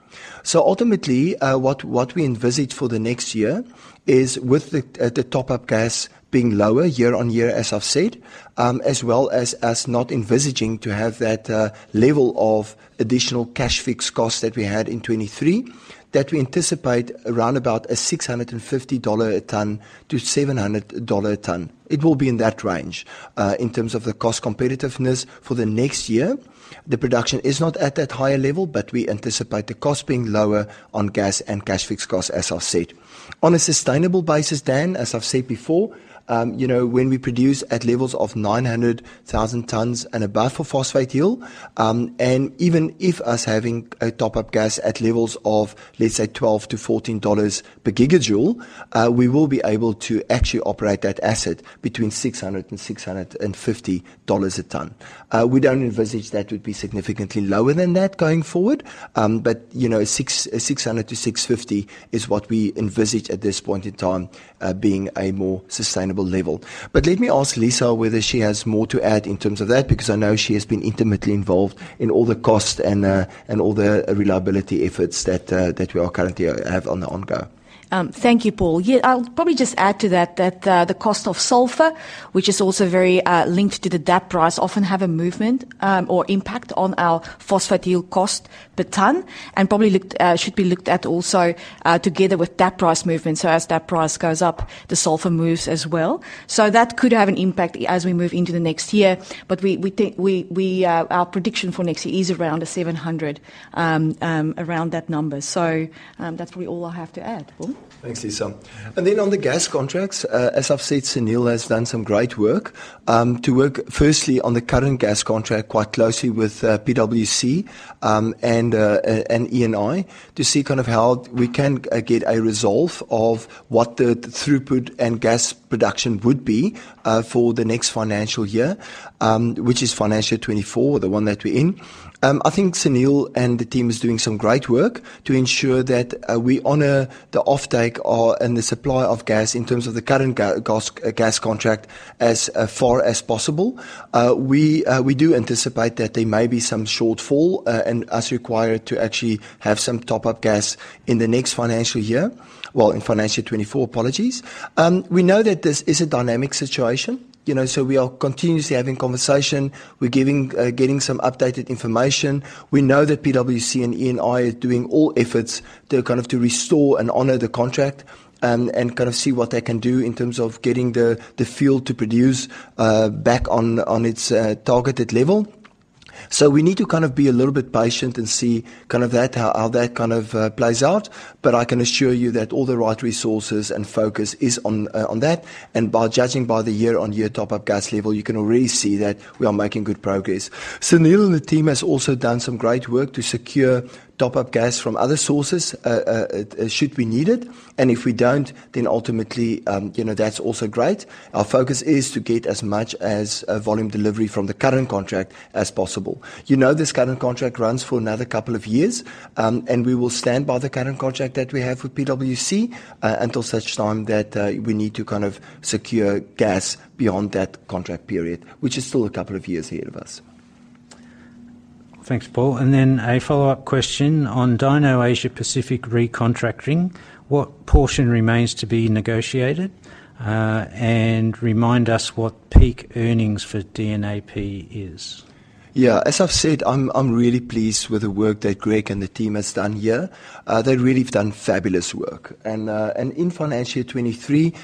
[SPEAKER 1] So ultimately, what we envisage for the next year is with the top-up gas being lower year on year, as I've said, as well as us not envisaging to have that level of additional cash fixed cost that we had in 2023, that we anticipate around about 650 dollar a tonne-AUD 700 a tonne. It will be in that range. In terms of the cost competitiveness for the next year, the production is not at that higher level, but we anticipate the cost being lower on gas and cash fixed cost, as I've said. On a sustainable basis, Dan, as I've said before, you know, when we produce at levels of 900,000 tonnes and above for Phosphate Hill, and even if us having a top-up gas at levels of, let's say, 12-14 dollars per gigajoule, we will be able to actually operate that asset between 600 and 650 dollars a tonne. We don't envisage that would be significantly lower than that going forward, but, you know, 600, 600 to 650 is what we envisage at this point in time, being a more sustainable level. But let me ask Liza whether she has more to add in terms of that, because I know she has been intimately involved in all the cost and all the reliability efforts that we currently have ongoing.
[SPEAKER 3] Thank you, Paul. Yeah, I'll probably just add to that, that the cost of sulfur, which is also very linked to the DAP price, often have a movement or impact on our Phosphate Hill cost per tonne, and should be looked at also together with DAP price movement. So as DAP price goes up, the sulfur moves as well. So that could have an impact as we move into the next year. But our prediction for next year is around 700, around that number. So, that's probably all I have to add. Paul?
[SPEAKER 1] Thanks, Liza. And then on the gas contracts, as I've said, Sunil has done some great work, to work firstly on the current gas contract quite closely with, PWC, and ENI, to see kind of how we can, get a resolve of what the throughput and gas production would be, for the next Financial Year, which is Financial 2024, the one that we're in. I think Sunil and the team is doing some great work to ensure that, we honour the offtake, and the supply of gas in terms of the current gas contract as far as possible. We do anticipate that there may be some shortfall, and as required to actually have some top-up gas in the next Financial Year. Well, in Financial 2024, apologies. We know that this is a dynamic situation, you know, so we are continuously having conversation. We're giving, getting some updated information. We know that PWC and ENI are doing all efforts to kind of to restore and honor the contract, and kind of see what they can do in terms of getting the field to produce back on its targeted level. So we need to kind of be a little bit patient and see kind of that, how that kind of plays out. But I can assure you that all the right resources and focus is on that, and by judging by the year-on-year top-up gas level, you can already see that we are making good progress. Sunil and the team has also done some great work to secure top-up gas from other sources, should we need it, and if we don't, then ultimately, you know, that's also great. Our focus is to get as much as volume delivery from the current contract as possible. You know, this current contract runs for another couple of years, and we will stand by the current contract that we have with PWC, until such time that we need to kind of secure gas beyond that contract period, which is still a couple of years ahead of us.
[SPEAKER 2] Thanks, Paul. Then a follow-up question on Dyno Asia Pacific recontracting, what portion remains to be negotiated? And remind us what peak earnings for DNAP is.
[SPEAKER 1] Yeah, as I've said, I'm really pleased with the work that Greg and the team has done here. They've really done fabulous work. And in Financial Year 2023,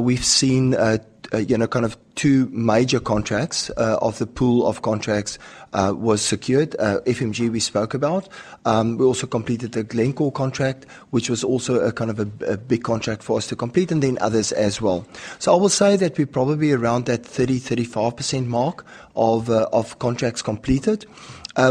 [SPEAKER 1] we've seen, you know, kind of two major contracts of the pool of contracts was secured. FMG, we spoke about. We also completed the Glencore contract, which was also a kind of a big contract for us to complete, and then others as well. So I will say that we're probably around that 30-35% mark of contracts completed.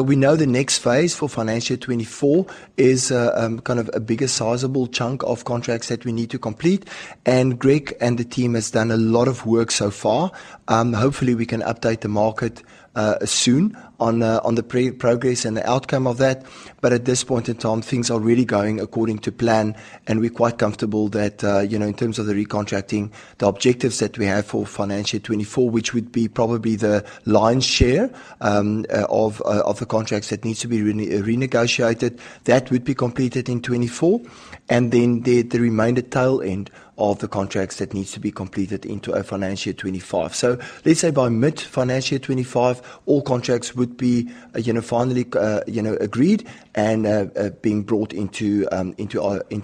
[SPEAKER 1] We know the next phase for Financial Year 2024 is kind of a bigger sizable chunk of contracts that we need to complete, and Greg and the team has done a lot of work so far. Hopefully, we can update the market on the progress and the outcome of that. But at this point in time, things are really going according to plan, and we're quite comfortable that you know in terms of the recontracting, the objectives that we have for Financial Year 2024, which would be probably the lion's share of the contracts that needs to be renegotiated, that would be completed in 2024, and then the remainder tail end of the contracts that needs to be completed into Financial Year 2025. So let's say by mid-Financial Year 2025, all contracts would be you know finally agreed and being brought into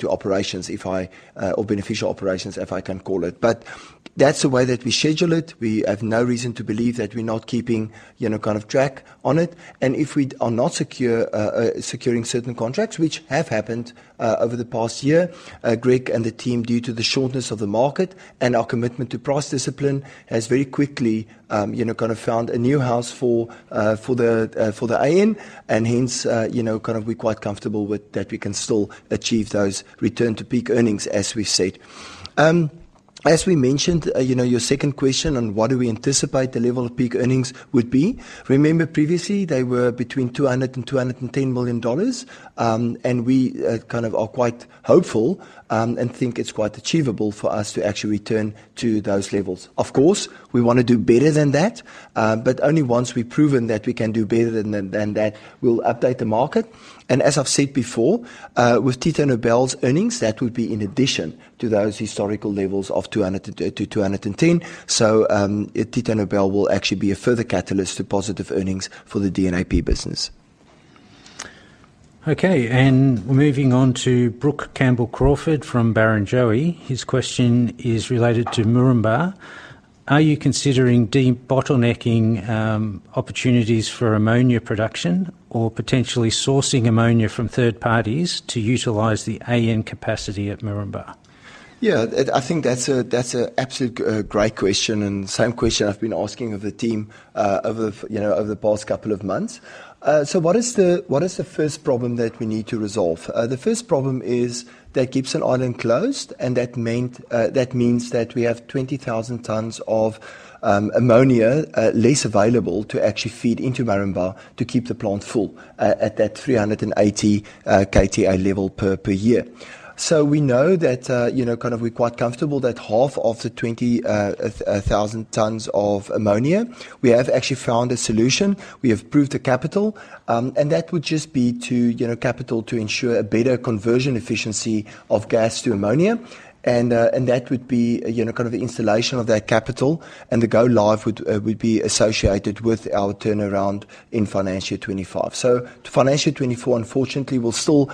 [SPEAKER 1] operations, or beneficial operations, if I can call it. But that's the way that we schedule it. We have no reason to believe that we're not keeping, you know, kind of track on it. And if we are not secure, securing certain contracts, which have happened, over the past year, Greg and the team, due to the shortness of the market and our commitment to price discipline, has very quickly, you know, kind of found a new house for, for the, for the AN, and hence, you know, kind of we're quite comfortable with that we can still achieve those return to peak earnings, as we said. As we mentioned, you know, your second question on what do we anticipate the level of peak earnings would be? Remember previously, they were between 200 million dollars and 210 million dollars, and we kind of are quite hopeful and think it's quite achievable for us to actually return to those levels. Of course, we want to do better than that, but only once we've proven that we can do better than the, than that, we'll update the market. And as I've said before, with Titanobel's earnings, that would be in addition to those historical levels of 200-210. So, Titanobel will actually be a further catalyst to positive earnings for the DNAP business.
[SPEAKER 2] Okay, and moving on to Brook Campbell-Crawford from Barrenjoey. His question is related to Moranbah. Are you considering de-bottlenecking opportunities for ammonia production or potentially sourcing ammonia from third parties to utilize the AN capacity at Moranbah?
[SPEAKER 1] Yeah, I think that's a, that's a absolute great question, and same question I've been asking of the team, over, you know, over the past couple of months. So what is the first problem that we need to resolve? The first problem is that Gibson Island closed, and that meant, that means that we have 20,000 tonnes of ammonia less available to actually feed into Moranbah to keep the plant full, at that 380 kta level per year. So we know that, you know, kind of we're quite comfortable that half of the 20,000 tonnes of ammonia, we have actually found a solution. We have proved the capital, and that would just be to, you know, capital to ensure a better conversion efficiency of gas to ammonia, and, and that would be, you know, kind of the installation of that capital, and the go live would, would be associated with our turnaround in Financial Year 2025. So Financial Year 2024, unfortunately, will still,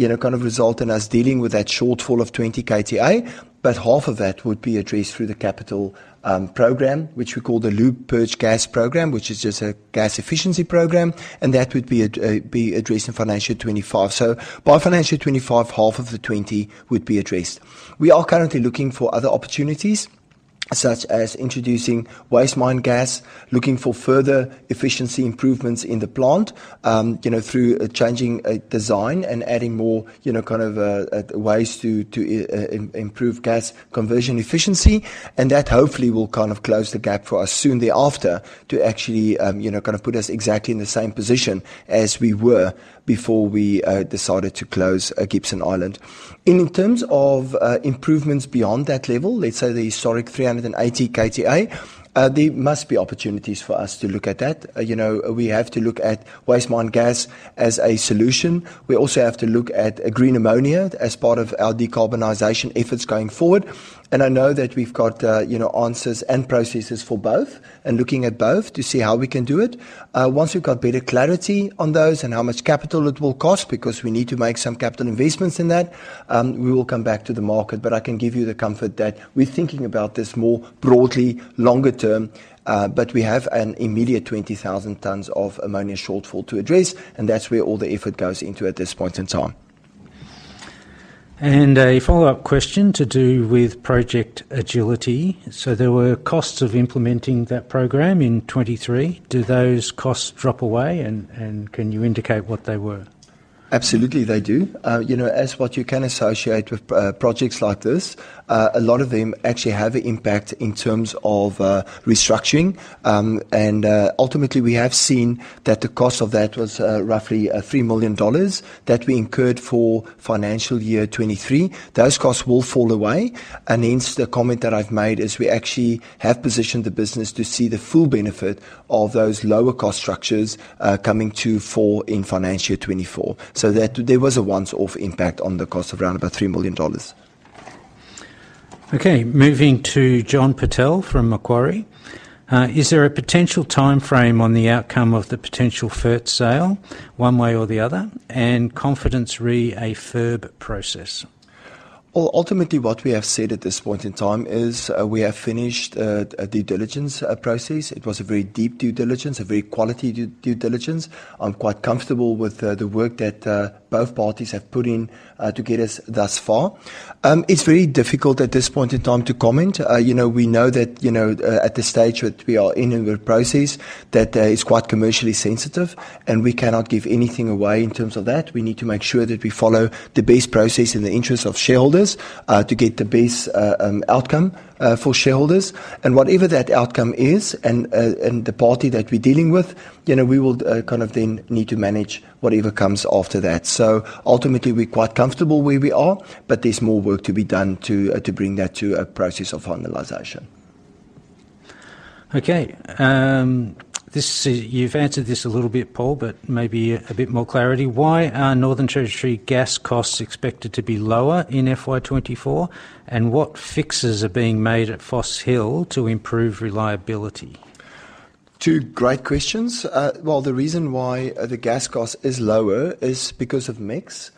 [SPEAKER 1] you know, kind of result in us dealing with that shortfall of 20 kta, but half of that would be addressed through the capital, program, which we call the loop purge gas program, which is just a gas efficiency program, and that would be a, be addressed in Financial Year 2025. So by Financial Year 2025, half of the 20 would be addressed. We are currently looking for other opportunities, such as introducing waste mine gas, looking for further efficiency improvements in the plant, you know, through changing design and adding more, you know, kind of ways to improve gas conversion efficiency, and that hopefully will kind of close the gap for us soon thereafter to actually, you know, kind of put us exactly in the same position as we were before we decided to close Gibson Island. In terms of improvements beyond that level, let's say the historic 380 kta, there must be opportunities for us to look at that. You know, we have to look at waste mine gas as a solution. We also have to look at, green ammonia as part of our decarbonization efforts going forward, and I know that we've got, you know, answers and processes for both, and looking at both to see how we can do it. Once we've got better clarity on those and how much capital it will cost, because we need to make some capital investments in that, we will come back to the market. But I can give you the comfort that we're thinking about this more broadly, longer term, but we have an immediate 20,000 tonnes of ammonia shortfall to address, and that's where all the effort goes into at this point in time.
[SPEAKER 2] A follow-up question to do with Project Agility. So there were costs of implementing that program in 2023. Do those costs drop away, and can you indicate what they were?
[SPEAKER 1] Absolutely, they do. You know, as what you can associate with projects like this, a lot of them actually have an impact in terms of restructuring. And ultimately, we have seen that the cost of that was roughly 3 million dollars that we incurred for Financial Year 2023. Those costs will fall away, and hence, the comment that I've made is we actually have positioned the business to see the full benefit of those lower cost structures coming to fore in Financial Year 2024. So that there was a once-off impact on the cost of around about 3 million dollars.
[SPEAKER 2] Okay, moving to John Purtell from Macquarie. Is there a potential timeframe on the outcome of the potential fert sale, one way or the other, and confidence re a fert process?
[SPEAKER 1] Well, ultimately, what we have said at this point in time is, we have finished a due diligence process. It was a very deep due diligence, a very quality due diligence. I'm quite comfortable with the work that both parties have put in to get us thus far. It's very difficult at this point in time to comment. You know, we know that, you know, at this stage that we are in a process that is quite commercially sensitive, and we cannot give anything away in terms of that. We need to make sure that we follow the best process in the interest of shareholders to get the best outcome for shareholders. Whatever that outcome is, and the party that we're dealing with, you know, we will kind of then need to manage whatever comes after that. So ultimately, we're quite comfortable where we are, but there's more work to be done to bring that to a process of finalization.
[SPEAKER 2] Okay, you've answered this a little bit, Paul, but maybe a bit more clarity. Why are Northern Territory gas costs expected to be lower in FY 2024, and what fixes are being made at Phosphate Hill to improve reliability?
[SPEAKER 1] Two great questions. Well, the reason why, the gas cost is lower is because of mix.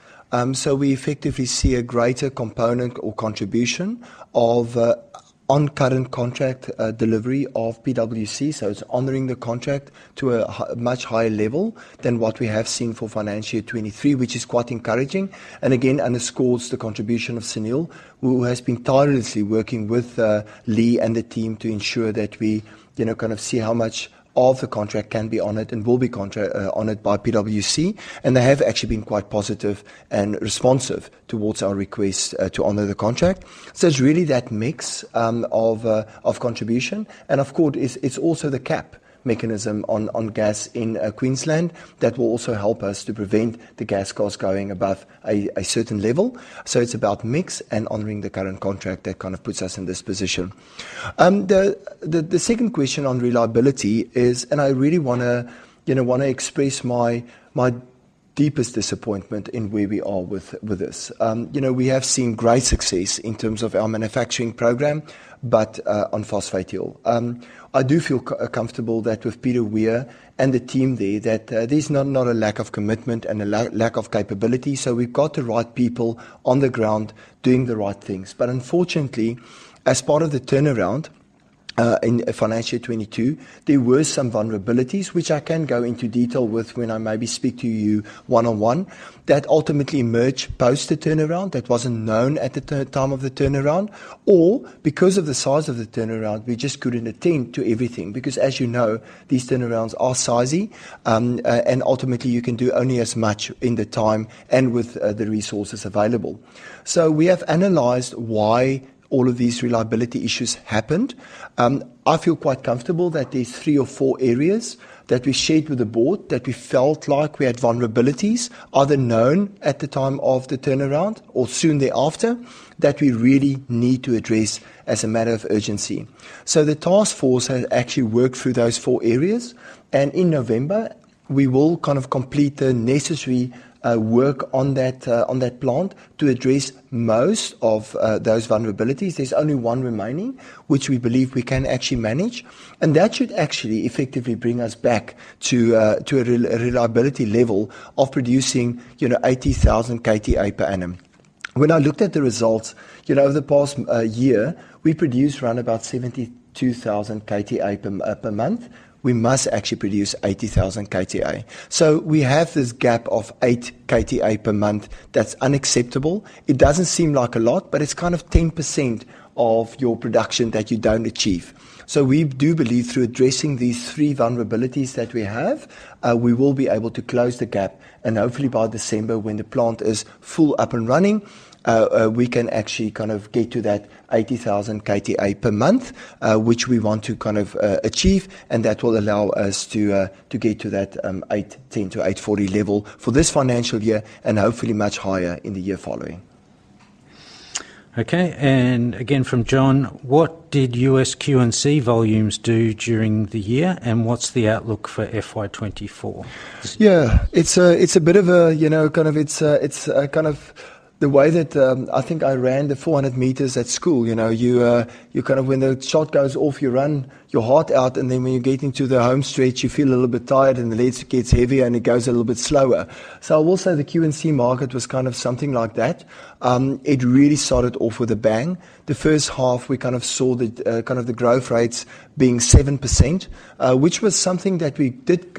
[SPEAKER 1] So we effectively see a greater component or contribution of, on-current contract, delivery of PWC, so it's honoring the contract to a much higher level than what we have seen for Financial Year 2023, which is quite encouraging, and again, underscores the contribution of Sunil, who has been tirelessly working with, Leigh and the team to ensure that we, you know, kind of see how much of the contract can be honored and will be honored by PWC, and they have actually been quite positive and responsive towards our request, to honor the contract. So it's really that mix of contribution, and of course, it's also the cap mechanism on gas in Queensland that will also help us to prevent the gas costs going above a certain level. So it's about mix and honoring the current contract that kind of puts us in this position. The second question on reliability is, and I really wanna, you know, wanna express my deepest disappointment in where we are with this. You know, we have seen great success in terms of our manufacturing program, but on Phosphate Hill. I do feel comfortable that with Peter Weir and the team there, that there's not a lack of commitment and a lack of capability, so we've got the right people on the ground doing the right things. But unfortunately, as part of the turnaround in Financial Year 2022, there were some vulnerabilities, which I can go into detail with when I maybe speak to you one-on-one, that ultimately emerged post the turnaround, that wasn't known at the time of the turnaround, or because of the size of the turnaround, we just couldn't attend to everything. Because, as you know, these turnarounds are sizey, and ultimately you can do only as much in the time and with the resources available. So we have analyzed why all of these reliability issues happened. I feel quite comfortable that there's three or four areas that we shared with the board, that we felt like we had vulnerabilities, either known at the time of the turnaround or soon thereafter, that we really need to address as a matter of urgency. The task force has actually worked through those four areas, and in November, we will kind of complete the necessary work on that plant to address most of those vulnerabilities. There's only one remaining, which we believe we can actually manage, and that should actually effectively bring us back to a reliability level of producing, you know, 80,000 kta per annum. When I looked at the results, you know, over the past year, we produced around about 72,000 kta per month. We must actually produce 80,000 kta. So we have this gap of 8 kta per month that's unacceptable. It doesn't seem like a lot, but it's kind of 10% of your production that you don't achieve. We do believe through addressing these three vulnerabilities that we have, we will be able to close the gap, and hopefully by December, when the plant is full up and running, we can actually kind of get to that 80,000 kta per month, which we want to kind of achieve, and that will allow us to get to that 810-840 level for this Financial Year and hopefully much higher in the year following.
[SPEAKER 2] Okay, and again, from John: What did U.S. Q&C volumes do during the year, and what's the outlook for FY 2024?
[SPEAKER 1] Yeah. It's a bit of a, you know, kind of the way that I think I ran the 400m at school, you know, you kind of when the shot goes off, you run your heart out, and then when you get into the home stretch, you feel a little bit tired, and the legs gets heavier, and it goes a little bit slower. So I will say the U.S. Q&C market was kind of something like that. It really started off with a bang. The first half, we kind of saw the kind of the growth rates being 7%, which was something that we did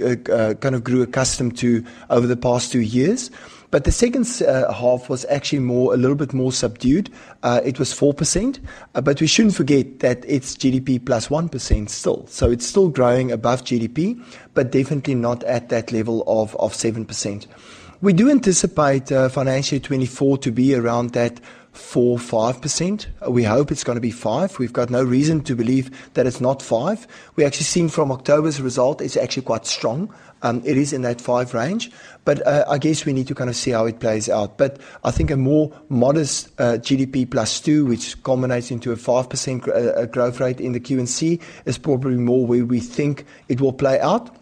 [SPEAKER 1] kind of grew accustomed to over the past two years. But the second half was actually a little bit more subdued. It was 4%, but we shouldn't forget that it's GDP +1% still, so it's still growing above GDP, but definitely not at that level of 7%. We do anticipate financial 2024 to be around that 4%-5%. We hope it's gonna be 5%. We've got no reason to believe that it's not 5%. We're actually seeing from October's result, it's actually quite strong. It is in that 5% range, but I guess we need to kind of see how it plays out. But I think a more modest GDP +2%, which culminates into a 5% growth rate in the Q&C, is probably more where we think it will play out.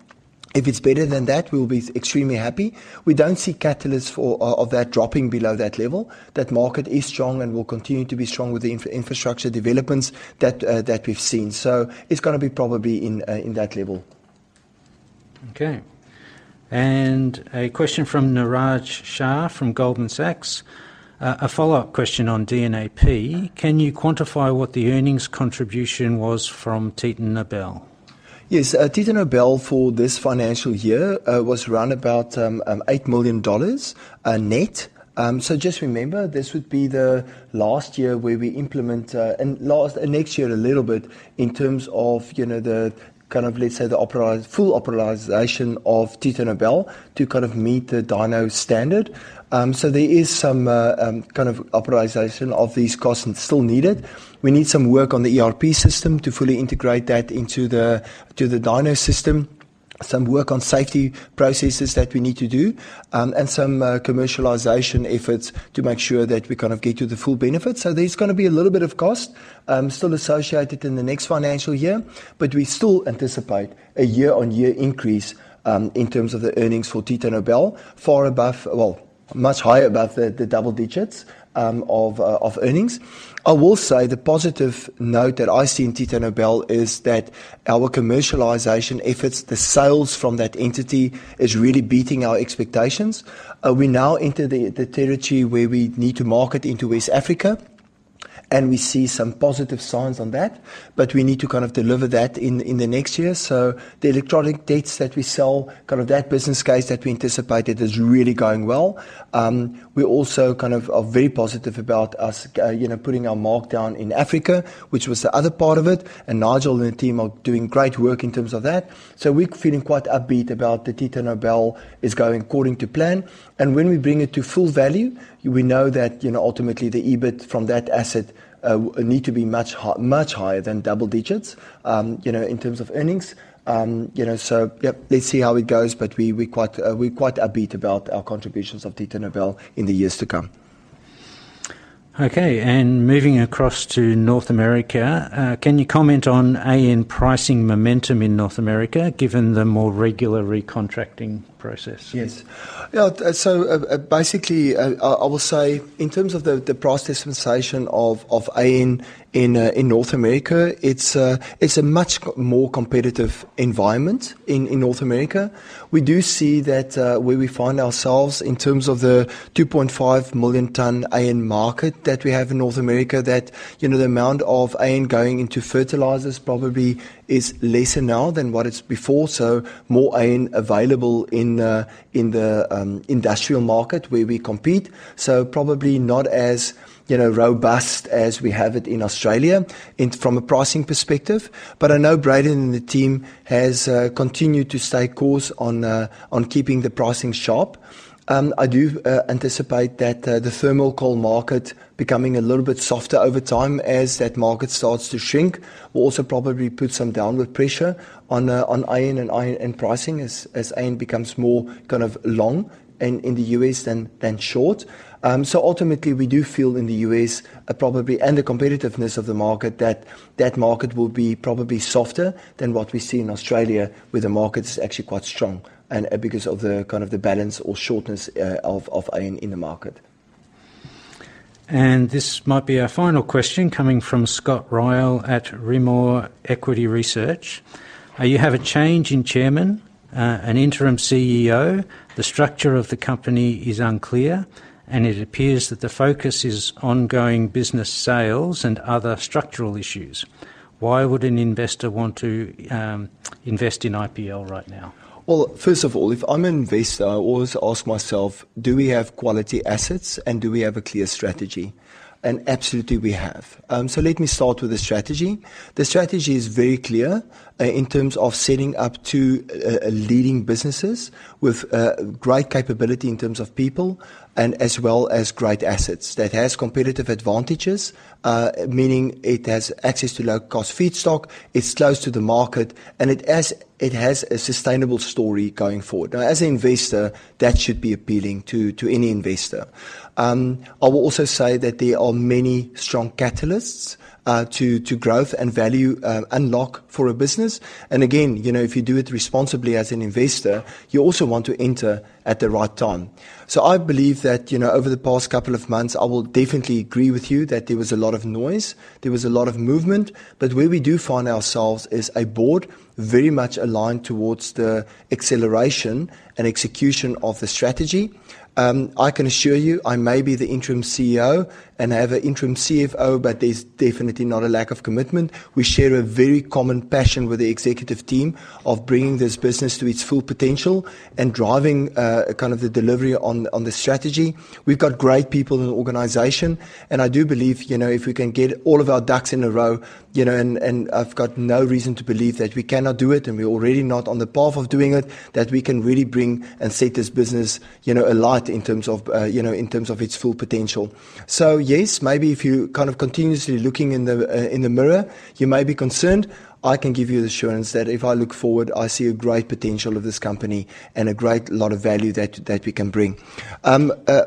[SPEAKER 1] If it's better than that, we'll be extremely happy. We don't see catalyst for that dropping below that level. That market is strong and will continue to be strong with the infrastructure developments that, that we've seen. So it's gonna be probably in, in that level.
[SPEAKER 2] Okay. And a question from Neeraj Shah, from Goldman Sachs. A follow-up question on DNAP. Can you quantify what the earnings contribution was from Titanobel?
[SPEAKER 1] Yes, Titanobel for this Financial Year was around about $8 million net. So just remember, this would be the last year where we implement... And last, and next year, a little bit, in terms of, you know, the kind of, let's say, the full operationalization of Titanobel to kind of meet the Dyno standard. So there is some kind of operationalization of these costs still needed. We need some work on the ERP system to fully integrate that into the, to the Dyno system, some work on safety processes that we need to do, and some commercialization efforts to make sure that we kind of get to the full benefit. So there's gonna be a little bit of cost still associated in the next Financial Year, but we still anticipate a year-on-year increase in terms of the earnings for Titanobel, far above, well, much higher above the double digits of earnings. I will say the positive note that I see in Titanobel is that our commercialization efforts, the sales from that entity, is really beating our expectations. We now enter the territory where we need to market into West Africa, and we see some positive signs on that, but we need to kind of deliver that in the next year. So the electronic detonators that we sell, kind of that business case that we anticipated, is really going well. We also kind of are very positive about us, you know, putting our mark down in Africa, which was the other part of it, and Nigel and the team are doing great work in terms of that. So we're feeling quite upbeat about the Titanobel is going according to plan, and when we bring it to full value, we know that, you know, ultimately, the EBIT from that asset need to be much hi- much higher than double digits, you know, in terms of earnings. You know, so yep, let's see how it goes, but we, we quite, we're quite upbeat about our contributions of Titanobel in the years to come.
[SPEAKER 2] Okay, and moving across to North America, can you comment on AN pricing momentum in North America, given the more regular recontracting process?
[SPEAKER 1] Yes. Yeah, so, basically, I will say, in terms of the price dispensation of AN in North America, it's a much more competitive environment in North America. We do see that, where we find ourselves in terms of the 2.5 million ton AN market that we have in North America, that, you know, the amount of AN going into fertilizers probably is lesser now than what it's before, so more AN available in the industrial market where we compete. So probably not as, you know, robust as we have it in Australia from a pricing perspective, but I know Braden and the team has continued to stay course on keeping the pricing sharp. I do anticipate that the thermal coal market becoming a little bit softer over time as that market starts to shrink will also probably put some downward pressure on on AN and AN and pricing as AN becomes more kind of long in the US than short. So ultimately, we do feel in the US probably, and the competitiveness of the market, that that market will be probably softer than what we see in Australia, where the market is actually quite strong and because of the kind of the balance or shortness of AN in the market.
[SPEAKER 2] And this might be our final question, coming from Scott Ryall at Rimor Equity Research. You have a change in chairman, an interim CEO, the structure of the company is unclear, and it appears that the focus is ongoing business sales and other structural issues. Why would an investor want to invest in IPL right now?
[SPEAKER 1] Well, first of all, if I'm an investor, I always ask myself: Do we have quality assets, and do we have a clear strategy? And absolutely we have. So let me start with the strategy. The strategy is very clear, in terms of setting up two leading businesses with great capability in terms of people and as well as great assets that has competitive advantages, meaning it has access to low-cost feedstock, it's close to the market, and it has, it has a sustainable story going forward. Now, as an investor, that should be appealing to any investor. I will also say that there are many strong catalysts to growth and value unlock for a business. And again, you know, if you do it responsibly as an investor, you also want to enter at the right time. So I believe that, you know, over the past couple of months, I will definitely agree with you that there was a lot of noise, there was a lot of movement, but where we do find ourselves is a board very much aligned towards the acceleration and execution of the strategy. I can assure you, I may be the Interim CEO and I have an Interim CFO, but there's definitely not a lack of commitment. We share a very common passion with the executive team of bringing this business to its full potential and driving kind of the delivery on the strategy. We've got great people in the organization, and I do believe, you know, if we can get all of our ducks in a row, you know, and I've got no reason to believe that we cannot do it, and we're already not on the path of doing it, that we can really bring and set this business, you know, alight in terms of its full potential. So yes, maybe if you kind of continuously looking in the mirror, you may be concerned. I can give you assurance that if I look forward, I see a great potential of this company and a great lot of value that we can bring.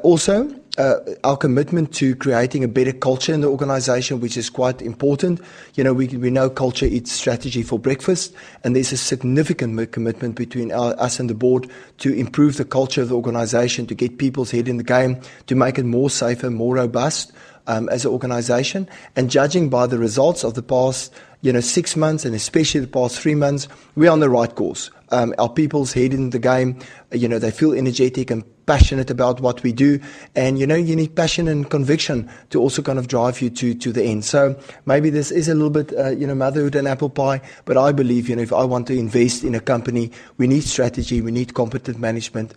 [SPEAKER 1] Also, our commitment to creating a better culture in the organization, which is quite important. You know, we know culture eats strategy for breakfast, and there's a significant commitment between us and the board to improve the culture of the organization, to get people's head in the game, to make it more safer, more robust, as an organization. Judging by the results of the past, you know, six months and especially the past three months, we are on the right course. Our people's head in the game, you know, they feel energetic and passionate about what we do, and, you know, you need passion and conviction to also kind of drive you to the end. So maybe this is a little bit, you know, motherhood and apple pie, but I believe, you know, if I want to invest in a company, we need strategy, we need competent management,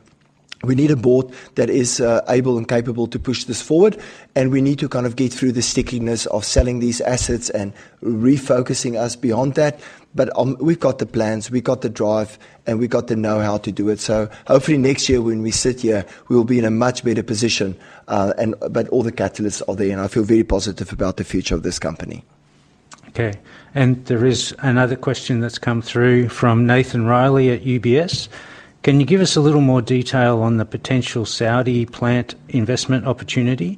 [SPEAKER 1] we need a board that is able and capable to push this forward, and we need to kind of get through the stickiness of selling these assets and refocusing us beyond that. But we've got the plans, we've got the drive, and we've got the know-how to do it. So hopefully next year when we sit here, we will be in a much better position, and but all the catalysts are there, and I feel very positive about the future of this company.
[SPEAKER 2] Okay, and there is another question that's come through from Nathan Riley at UBS. Can you give us a little more detail on the potential Saudi plant investment opportunity,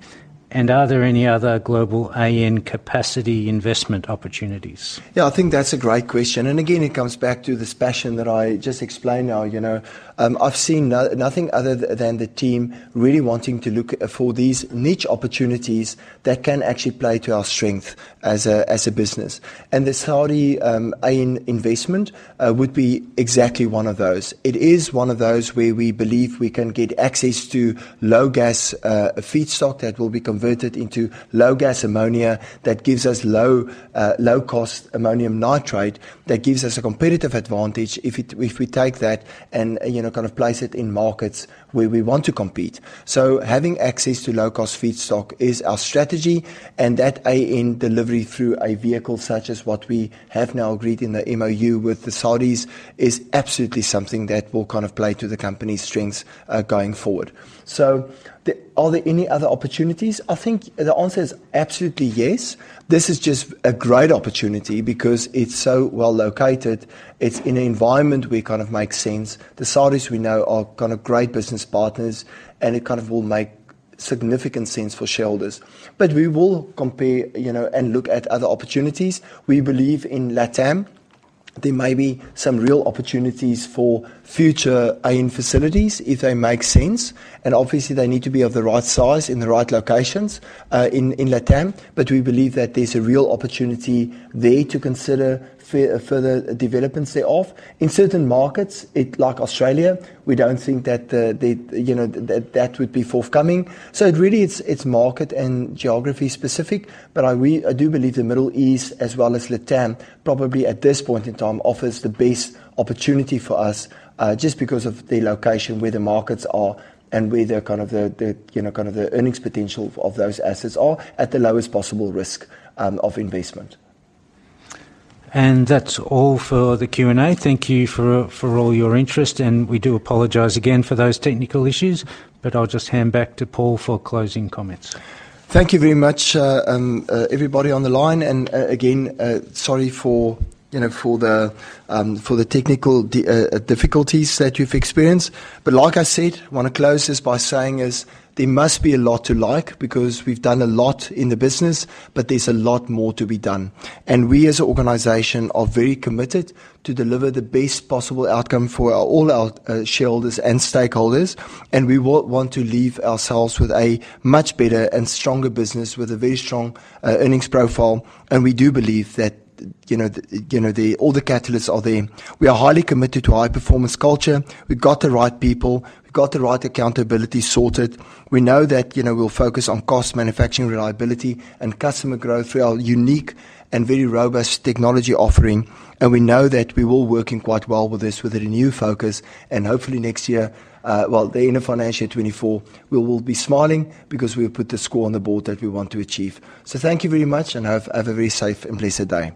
[SPEAKER 2] and are there any other global AN capacity investment opportunities?
[SPEAKER 1] Yeah, I think that's a great question, and again, it comes back to this passion that I just explained now, you know. I've seen nothing other than the team really wanting to look for these niche opportunities that can actually play to our strength as a business. And the Saudi AN investment would be exactly one of those. It is one of those where we believe we can get access to low-gas feedstock that will be converted into low-gas ammonia, that gives us low-cost ammonium nitrate, that gives us a competitive advantage if we take that and, you know, kind of place it in markets where we want to compete. So having access to low-cost feedstock is our strategy, and that AN delivery through a vehicle such as what we have now agreed in the MOU with the Saudis is absolutely something that will kind of play to the company's strengths, going forward. So are there any other opportunities? I think the answer is absolutely yes. This is just a great opportunity because it's so well located. It's in an environment where it kind of makes sense. The Saudis, we know, are kind of great business partners, and it kind of will make significant sense for shareholders. But we will compare, you know, and look at other opportunities. We believe in LATAM, there may be some real opportunities for future AN facilities if they make sense, and obviously, they need to be of the right size in the right locations, in LATAM. But we believe that there's a real opportunity there to consider further developments thereof. In certain markets like Australia, we don't think that, you know, that would be forthcoming. So it really is market and geography specific, but I do believe the Middle East as well as LATAM probably at this point in time offers the best opportunity for us just because of the location where the markets are and where the kind of the earnings potential of those assets are at the lowest possible risk of investment.
[SPEAKER 2] That's all for the Q&A. Thank you for, for all your interest, and we do apologize again for those technical issues, but I'll just hand back to Paul for closing comments.
[SPEAKER 1] Thank you very much, everybody on the line, and again, sorry for, you know, for the technical difficulties that you've experienced. But like I said, I wanna close this by saying is, there must be a lot to like because we've done a lot in the business, but there's a lot more to be done. We as an organization are very committed to deliver the best possible outcome for all our shareholders and stakeholders, and we want to leave ourselves with a much better and stronger business with a very strong earnings profile, and we do believe that, you know, the, you know, all the catalysts are there. We are highly committed to a high-performance culture. We've got the right people, we've got the right accountability sorted. We know that, you know, we'll focus on cost, manufacturing, reliability, and customer growth through our unique and very robust technology offering, and we know that we will working quite well with this, with a renewed focus, and hopefully next year, the end of Financial Year 2024, we will be smiling because we have put the score on the board that we want to achieve. So thank you very much, and have a very safe and blessed day.